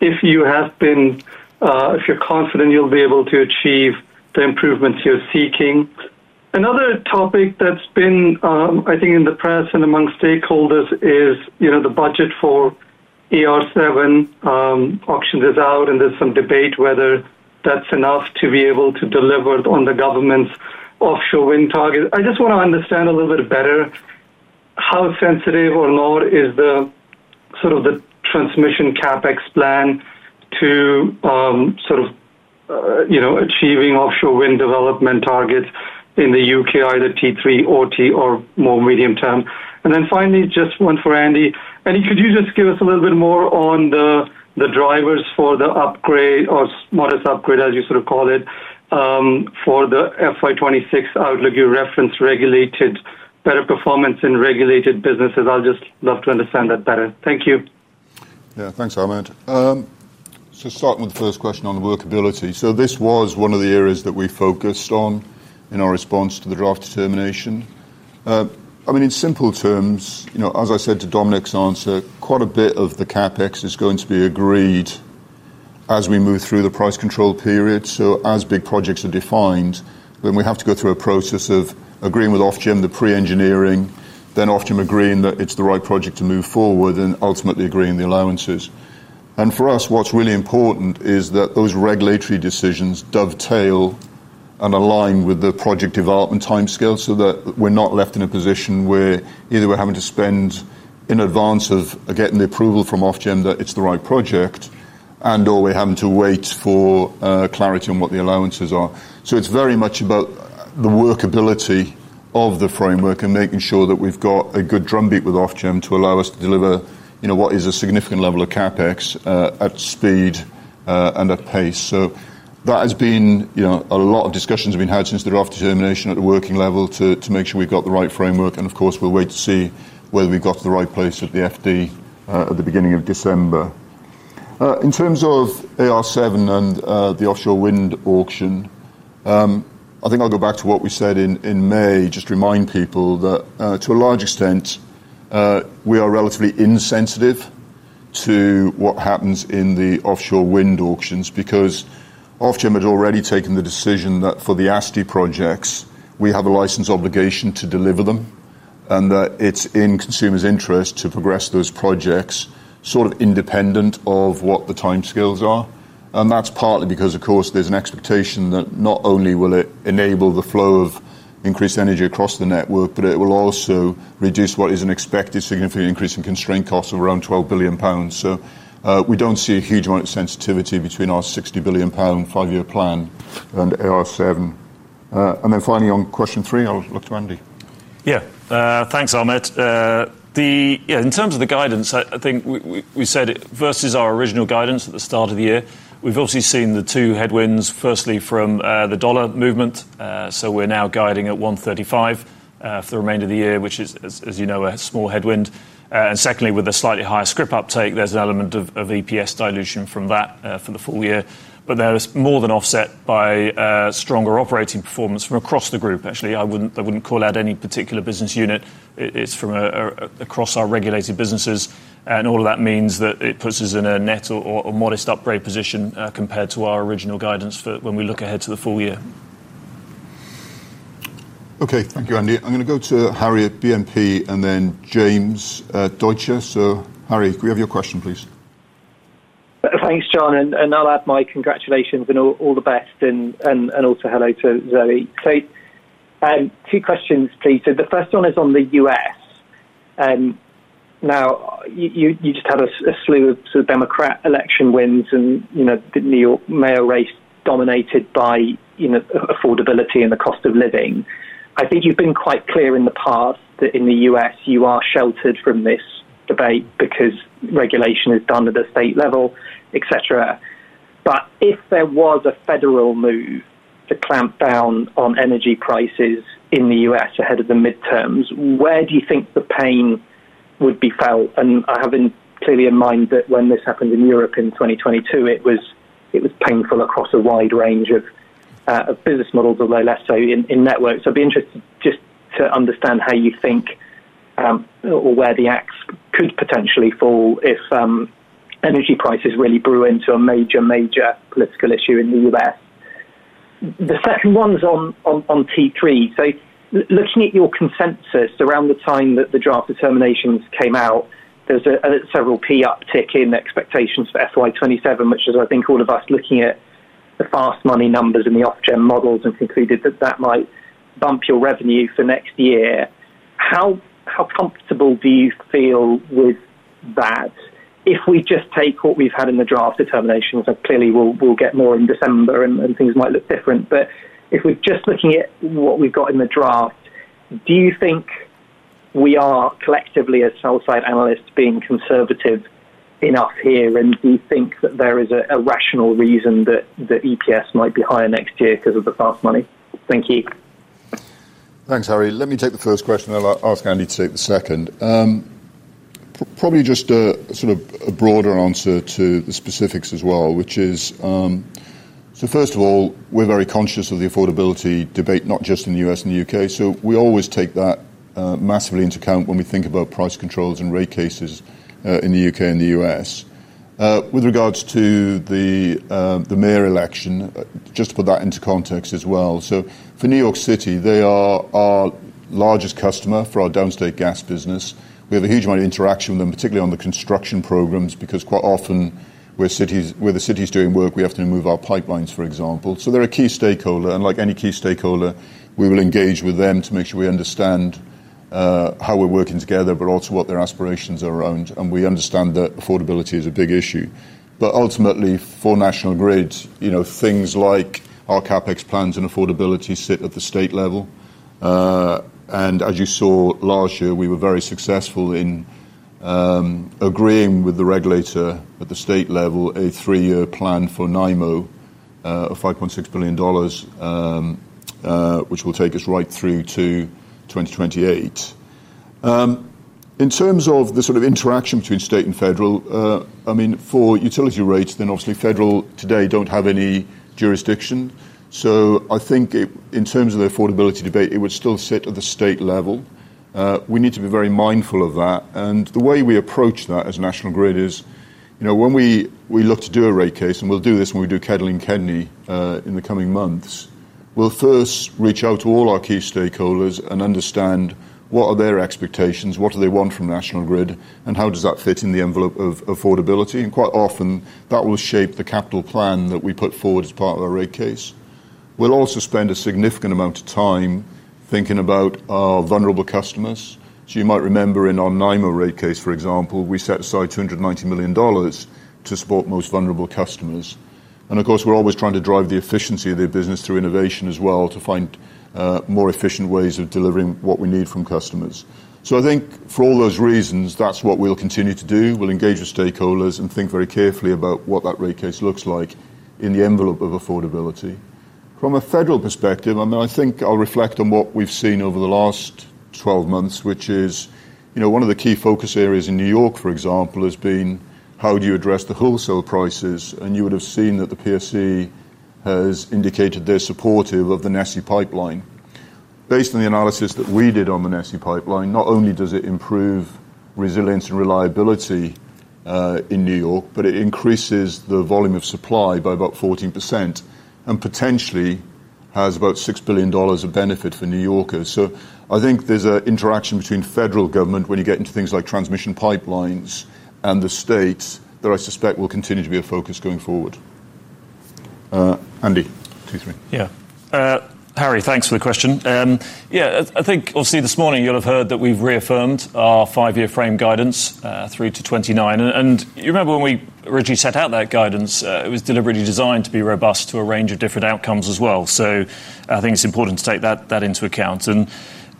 if you have been, if you're confident you'll be able to achieve the improvements you're seeking? Another topic that's been, I think, in the press and among stakeholders is the budget for ER7. Auctioned is out, and there's some debate whether that's enough to be able to deliver on the government's offshore wind target. I just want to understand a little bit better. How sensitive or not is the sort of the transmission CapEx plan to, sort of, achieving offshore wind development targets in the U.K., either T3, TO, or more medium term? And then finally, just one for Andy. Andy, could you just give us a little bit more on the drivers for the upgrade, or modest upgrade, as you sort of call it, for the FY2026 outlook? You referenced better performance in regulated businesses. I'd just love to understand that better. Thank you. Yeah, thanks, Ahmed. Starting with the first question on workability, this was one of the areas that we focused on in our response to the draft determination. I mean, in simple terms, as I said to Dominic's answer, quite a bit of the CapEx is going to be agreed as we move through the price control period. As big projects are defined, then we have to go through a process of agreeing with Ofgem, the pre-engineering, then Ofgem agreeing that it's the right project to move forward, and ultimately agreeing the allowances. For us, what's really important is that those regulatory decisions dovetail and align with the project development timescale so that we're not left in a position where either we're having to spend in advance of getting the approval from Ofgem that it's the right project, and/or we're having to wait for clarity on what the allowances are. It is very much about the workability of the framework and making sure that we've got a good drumbeat with Ofgem to allow us to deliver what is a significant level of CapEx at speed and at pace. That has been a lot of discussions have been had since the draft determination at the working level to make sure we've got the right framework. Of course, we'll wait to see whether we've got to the right place at the FD at the beginning of December. In terms of AR7 and the offshore wind auction, I think I'll go back to what we said in May, just to remind people that to a large extent, we are relatively insensitive to what happens in the offshore wind auctions because Ofgem had already taken the decision that for the ASTI projects, we have a license obligation to deliver them and that it's in consumers' interest to progress those projects sort of independent of what the timescales are. That is partly because, of course, there is an expectation that not only will it enable the flow of increased energy across the network, but it will also reduce what is an expected significant increase in constraint costs of around 12 billion pounds. We do not see a huge amount of sensitivity between our 60 billion pound five-year plan and AR7. Finally, on question three, I will look to Andy.
Yeah, thanks, Ahmed. Yeah, in terms of the guidance, I think we said it versus our original guidance at the start of the year, we have obviously seen the two headwinds, firstly from the dollar movement. We are now guiding at 1.35 for the remainder of the year, which is, as you know, a small headwind. Secondly, with a slightly higher scrip uptake, there is an element of EPS dilution from that for the full year. Now it is more than offset by stronger operating performance from across the group. Actually, I would not call out any particular business unit. It is from across our regulated businesses. All of that means that it puts us in a net or modest upgrade position compared to our original guidance for when we look ahead to the full year.
Okay, thank you, Andy. I am going to go to Harry at BNP and then James Deutscher. Harry, could we have your question, please? Thanks, John. I will add my congratulations and all the best. Also, hello to Zoë. Two questions, please. The first one is on the U.S. You just had a slew of sort of Democrat election wins and the New York mayor race dominated by affordability and the cost of living. I think you've been quite clear in the past that in the U.S., you are sheltered from this debate because regulation is done at the state level, etc. If there was a federal move to clamp down on energy prices in the U.S. ahead of the midterms, where do you think the pain would be felt? I have clearly in mind that when this happened in Europe in 2022, it was painful across a wide range of business models, although less so in networks. I'd be interested just to understand how you think or where the axe could potentially fall if energy prices really grew into a major, major political issue in the U.S. The second one's on T3. Looking at your consensus around the time that the draft determinations came out, there is a several % uptick in expectations for FY2027, which is, I think, all of us looking at the fast money numbers and the Ofgem models and concluded that that might bump your revenue for next year. How comfortable do you feel with that? If we just take what we have had in the draft determinations, clearly we will get more in December and things might look different. If we are just looking at what we have got in the draft, do you think we are collectively as sell-side analysts being conservative enough here? Do you think that there is a rational reason that the EPS might be higher next year because of the fast money? Thank you. Thanks, Harry. Let me take the first question. I will ask Andy to take the second. Probably just a sort of a broader answer to the specifics as well, which is. First of all, we're very conscious of the affordability debate, not just in the U.S. and the UK. We always take that massively into account when we think about price controls and rate cases in the UK and the U.S. With regards to the mayor election, just to put that into context as well. For New York City, they are our largest customer for our downstate gas business. We have a huge amount of interaction with them, particularly on the construction programs, because quite often where the city is doing work, we have to move our pipelines, for example. They're a key stakeholder. Like any key stakeholder, we will engage with them to make sure we understand how we're working together, but also what their aspirations are around. We understand that affordability is a big issue. Ultimately, for National Grid, things like our CapEx plans and affordability sit at the state level. As you saw last year, we were very successful in agreeing with the regulator at the state level, a three-year plan for NiMo of $5.6 billion, which will take us right through to 2028. In terms of the sort of interaction between state and federal, I mean, for utility rates, obviously federal today do not have any jurisdiction. I think in terms of the affordability debate, it would still sit at the state level. We need to be very mindful of that. The way we approach that as National Grid is when we look to do a rate case, and we'll do this when we do Kettle and Kenny in the coming months, we first reach out to all our key stakeholders and understand what are their expectations, what do they want from National Grid, and how does that fit in the envelope of affordability. Quite often, that will shape the capital plan that we put forward as part of our rate case. We also spend a significant amount of time thinking about our vulnerable customers. You might remember in our Niagara Mohawk rate case, for example, we set aside $290 million to support most vulnerable customers. Of course, we're always trying to drive the efficiency of their business through innovation as well to find more efficient ways of delivering what we need from customers. I think for all those reasons, that's what we'll continue to do. We'll engage with stakeholders and think very carefully about what that rate case looks like in the envelope of affordability. From a federal perspective, I mean, I think I'll reflect on what we've seen over the last 12 months, which is one of the key focus areas in New York, for example, has been how do you address the wholesale prices? You would have seen that the PSC has indicated they're supportive of the NESE pipeline. Based on the analysis that we did on the NESE pipeline, not only does it improve resilience and reliability in New York, but it increases the volume of supply by about 14% and potentially has about $6 billion of benefit for New Yorkers. I think there's an interaction between federal government when you get into things like transmission pipelines and the states that I suspect will continue to be a focus going forward. Andy.
Yeah. Harry, thanks for the question. Yeah, I think obviously this morning you'll have heard that we've reaffirmed our five-year frame guidance through to 2029. And you remember when we originally set out that guidance, it was deliberately designed to be robust to a range of different outcomes as well. I think it's important to take that into account.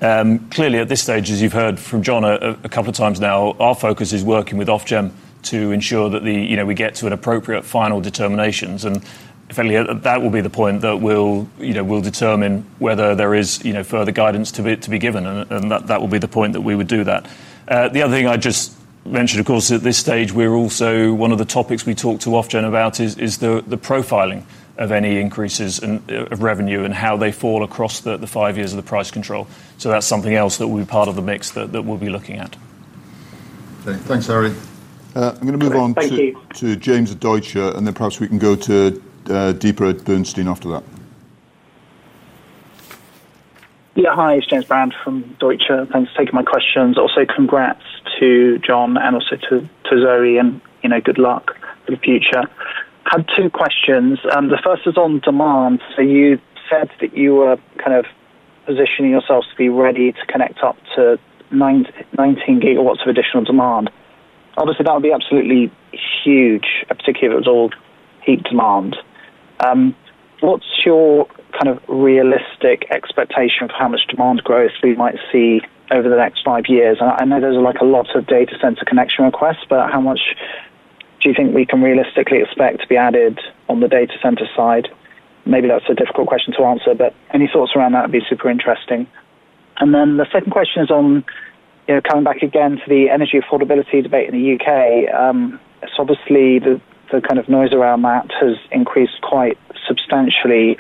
Clearly at this stage, as you've heard from John a couple of times now, our focus is working with Ofgem to ensure that we get to an appropriate final determinations. Effectively, that will be the point that we'll determine whether there is further guidance to be given. That will be the point that we would do that. The other thing I just mentioned, of course, at this stage, we're also one of the topics we talk to Ofgem about is the profiling of any increases of revenue and how they fall across the five years of the price control. That is something else that will be part of the mix that we'll be looking at. Thanks, Harry. I'm going to move on to James Deutscher, and then perhaps we can go to Deepa at Bernstein after that. Yeah, hi, it's [James Brown] from Deutsche Bank. Thanks for taking my questions. Also congrats to John and also to Zoë and good luck for the future. I had two questions. The first is on demand. You said that you were kind of positioning yourselves to be ready to connect up to 19 GW of additional demand. Obviously, that would be absolutely huge, particularly if it was all peak demand. What's your kind of realistic expectation for how much demand growth we might see over the next five years? I know there's a lot of data center connection requests, but how much do you think we can realistically expect to be added on the data center side? Maybe that's a difficult question to answer, but any thoughts around that would be super interesting. The second question is on coming back again to the energy affordability debate in the U.K. Obviously, the kind of noise around that has increased quite substantially.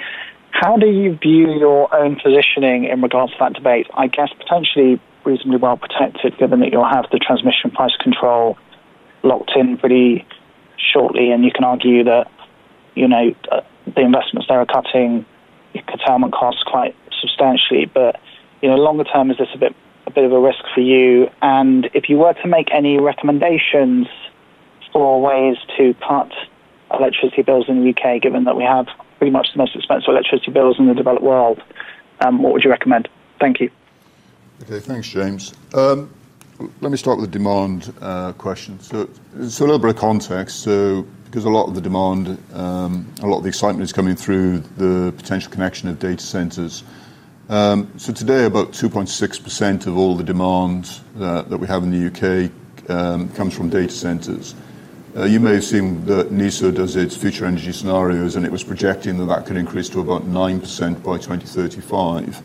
How do you view your own positioning in regards to that debate? I guess potentially reasonably well protected given that you'll have the transmission price control locked in pretty shortly, and you can argue that. The investments they're cutting, your curtailment costs quite substantially. Longer term, is this a bit of a risk for you? If you were to make any recommendations for ways to cut electricity bills in the U.K., given that we have pretty much the most expensive electricity bills in the developed world, what would you recommend? Thank you.
Okay, thanks, James. Let me start with the demand question. A little bit of context, because a lot of the demand, a lot of the excitement is coming through the potential connection of data centers. Today, about 2.6% of all the demand that we have in the U.K. comes from data centers. You may have seen that NESO does its future energy scenarios, and it was projecting that could increase to about 9% by 2035.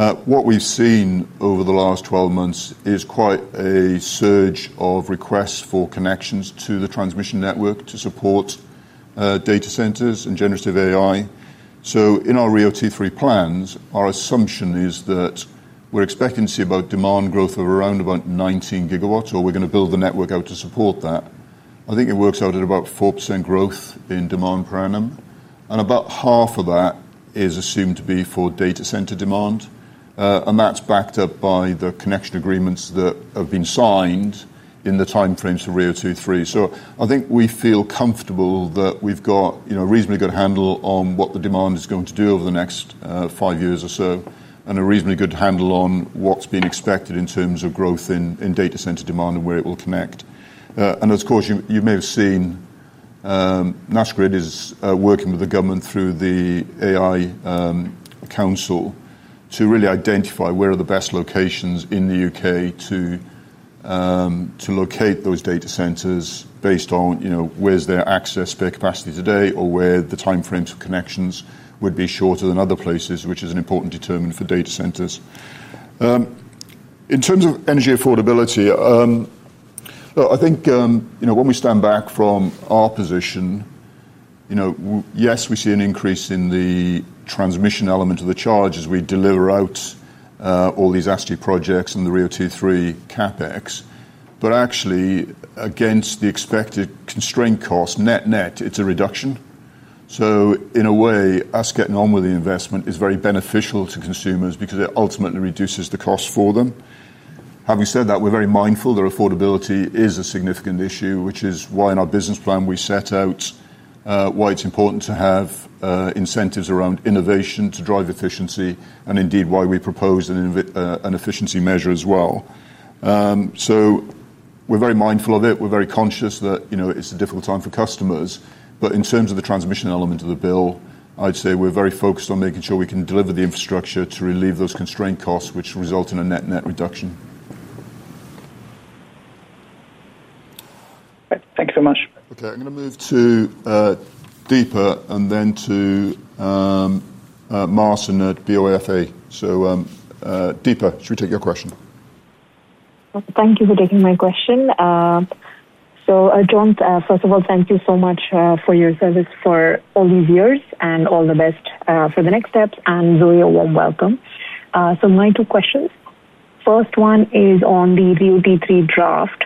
What we've seen over the last 12 months is quite a surge of requests for connections to the transmission network to support data centers and generative AI. In our RIIO-T3 plans, our assumption is that we're expecting to see about demand growth of around 19 GW, or we're going to build the network out to support that. I think it works out at about 4% growth in demand per annum. About half of that is assumed to be for data center demand. That's backed up by the connection agreements that have been signed in the timeframes for RIIO-T3. I think we feel comfortable that we've got a reasonably good handle on what the demand is going to do over the next five years or so, and a reasonably good handle on what's being expected in terms of growth in data center demand and where it will connect. Of course, you may have seen National Grid is working with the government through the AI Council to really identify where are the best locations in the U.K. to locate those data centers based on where there's access, their capacity today, or where the timeframes for connections would be shorter than other places, which is an important determinant for data centers. In terms of energy affordability, I think when we stand back from our position, yes, we see an increase in the transmission element of the charge as we deliver out. All these ASTI projects and the RIIO-T3 CapEx. Actually, against the expected constraint cost, net net, it's a reduction. In a way, us getting on with the investment is very beneficial to consumers because it ultimately reduces the cost for them. Having said that, we're very mindful that affordability is a significant issue, which is why in our business plan we set out why it's important to have incentives around innovation to drive efficiency, and indeed why we propose an efficiency measure as well. We're very mindful of it. We're very conscious that it's a difficult time for customers. In terms of the transmission element of the bill, I'd say we're very focused on making sure we can deliver the infrastructure to relieve those constraint costs, which result in a net net reduction. Thanks so much. Okay, I'm going to move to. Deeper, and then to Marston at BofA. Deepa, should we take your question?
Thank you for taking my question. John, first of all, thank you so much for your service for all these years and all the best for the next steps. Zoë, a warm welcome. My two questions. First one is on the RIIO-T3 draft.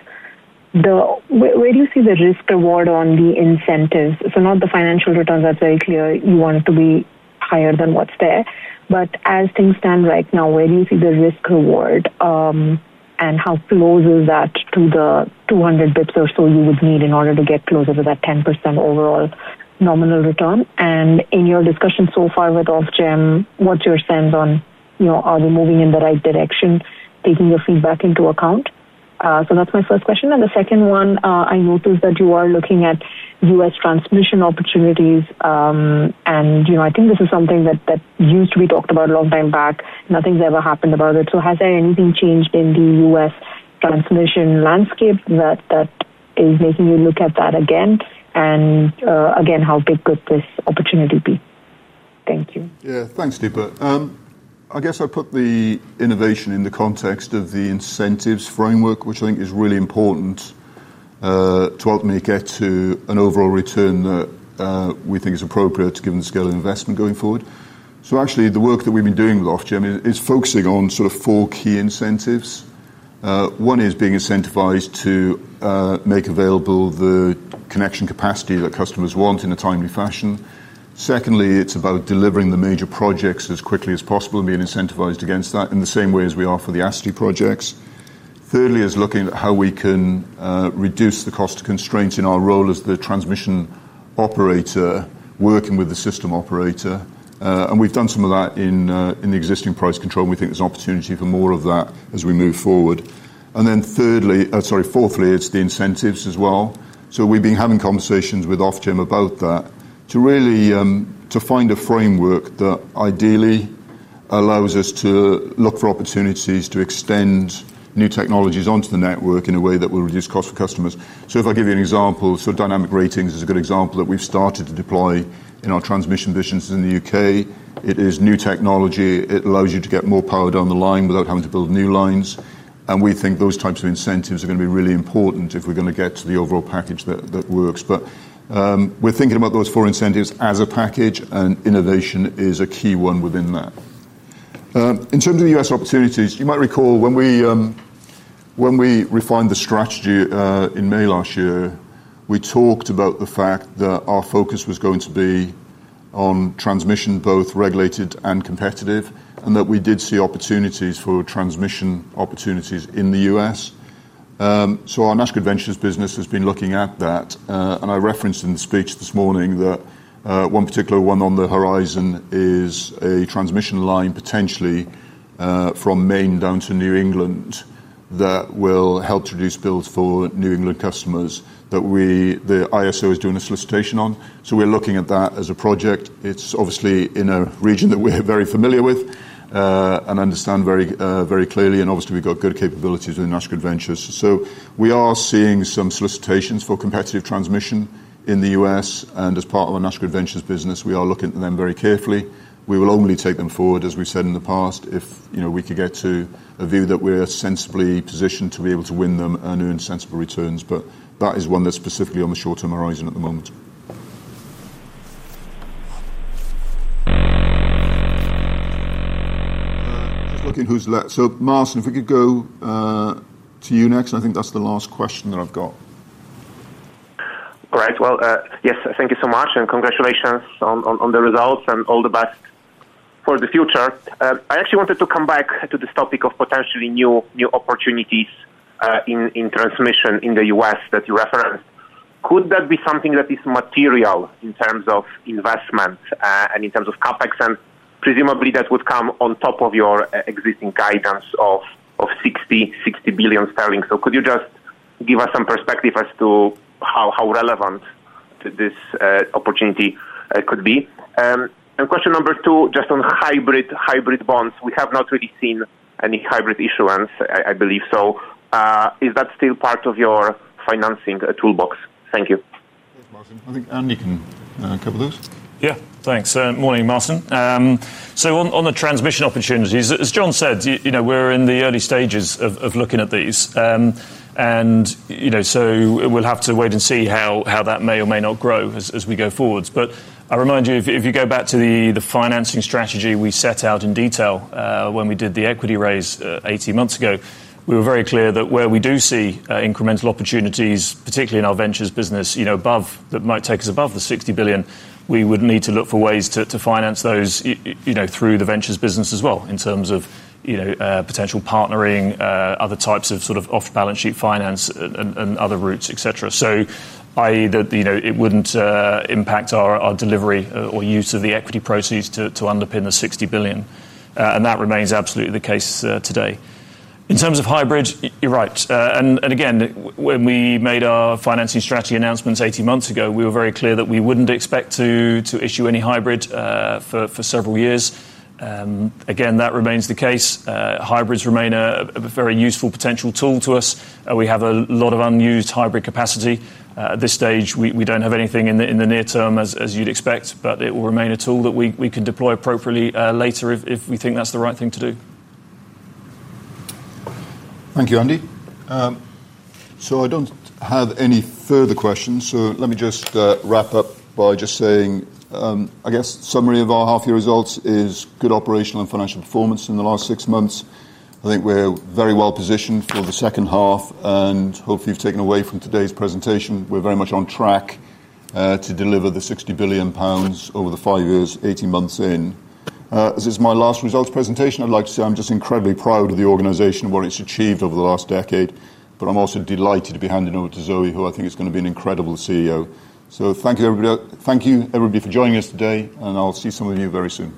Where do you see the risk-reward on the incentives? Not the financial returns, that is very clear. You want it to be higher than what is there. As things stand right now, where do you see the risk-reward? How close is that to the 200 basis points or so you would need in order to get closer to that 10% overall nominal return? In your discussion so far with Ofgem, what is your sense on are we moving in the right direction, taking your feedback into account? That's my first question. The second one, I noticed that you are looking at U.S. transmission opportunities. I think this is something that used to be talked about a long time back. Nothing's ever happened about it. Has there anything changed in the U.S. transmission landscape that is making you look at that again? Again, how big could this opportunity be? Thank you.
Yeah, thanks, Deepa. I guess I put the innovation in the context of the incentives framework, which I think is really important to help me get to an overall return that we think is appropriate given the scale of investment going forward. Actually, the work that we've been doing with Ofgem is focusing on sort of four key incentives. One is being incentivized to make available the connection capacity that customers want in a timely fashion. Secondly, it's about delivering the major projects as quickly as possible and being incentivized against that in the same way as we are for the ASTI projects. Thirdly, is looking at how we can reduce the cost constraints in our role as the transmission operator working with the system operator. We've done some of that in the existing price control. We think there's an opportunity for more of that as we move forward. Fourthly, it's the incentives as well. We've been having conversations with Ofgem about that to really find a framework that ideally allows us to look for opportunities to extend new technologies onto the network in a way that will reduce costs for customers. If I give you an example, dynamic ratings is a good example that we've started to deploy in our transmission missions in the U.K. It is new technology. It allows you to get more power down the line without having to build new lines. We think those types of incentives are going to be really important if we are going to get to the overall package that works. We are thinking about those four incentives as a package, and innovation is a key one within that. In terms of the U.S. opportunities, you might recall when we refined the strategy in May last year, we talked about the fact that our focus was going to be on transmission, both regulated and competitive, and that we did see opportunities for transmission opportunities in the U.S. Our National Grid Ventures business has been looking at that. I referenced in the speech this morning that one particular one on the horizon is a transmission line potentially. From Maine down to New England, that will help to reduce bills for New England customers that the ISO is doing a solicitation on. We are looking at that as a project. It is obviously in a region that we are very familiar with and understand very clearly. Obviously, we have good capabilities with National Grid Ventures. We are seeing some solicitations for competitive transmission in the U.S., and as part of our National Grid Ventures business, we are looking at them very carefully. We will only take them forward, as we have said in the past, if we could get to a view that we are sensibly positioned to be able to win them and earn sensible returns. That is one that is specifically on the short-term horizon at the moment. Just looking who is left. Marston, if we could go. To you next, I think that's the last question that I've got. All right. Yes, thank you so much. Congratulations on the results and all the best for the future. I actually wanted to come back to this topic of potentially new opportunities in transmission in the U.S. that you referenced. Could that be something that is material in terms of investment and in terms of CapEx? Presumably, that would come on top of your existing guidance of 60 billion sterling. Could you just give us some perspective as to how relevant this opportunity could be? Question number two, just on hybrid bonds, we have not really seen any hybrid issuance, I believe. Is that still part of your financing toolbox? Thank you. Marston, I think Andy can cover those.
Yeah, thanks. Morning, Marston. On the transmission opportunities, as John said, we're in the early stages of looking at these. We will have to wait and see how that may or may not grow as we go forwards. I remind you, if you go back to the financing strategy we set out in detail when we did the equity raise 18 months ago, we were very clear that where we do see incremental opportunities, particularly in our ventures business, that might take us above the 60 billion, we would need to look for ways to finance those through the ventures business as well in terms of potential partnering, other types of sort of off-balance sheet finance and other routes, etc. I.e. that it would not impact our delivery or use of the equity proceeds to underpin the 60 billion. That remains absolutely the case today. In terms of hybrid, you're right. Again, when we made our financing strategy announcements 18 months ago, we were very clear that we wouldn't expect to issue any hybrid for several years. That remains the case. Hybrids remain a very useful potential tool to us. We have a lot of unused hybrid capacity. At this stage, we don't have anything in the near term as you'd expect, but it will remain a tool that we can deploy appropriately later if we think that's the right thing to do.
Thank you, Andy. I don't have any further questions. Let me just wrap up by just saying, I guess, summary of our half-year results is good operational and financial performance in the last six months. I think we're very well positioned for the second half. Hopefully, you've taken away from today's presentation, we're very much on track. To deliver the 60 billion pounds over the five years, 18 months in. As it's my last results presentation, I'd like to say I'm just incredibly proud of the organization and what it's achieved over the last decade. I'm also delighted to be handing over to Zoë, who I think is going to be an incredible CEO. Thank you, everybody. Thank you, everybody, for joining us today. I'll see some of you very soon.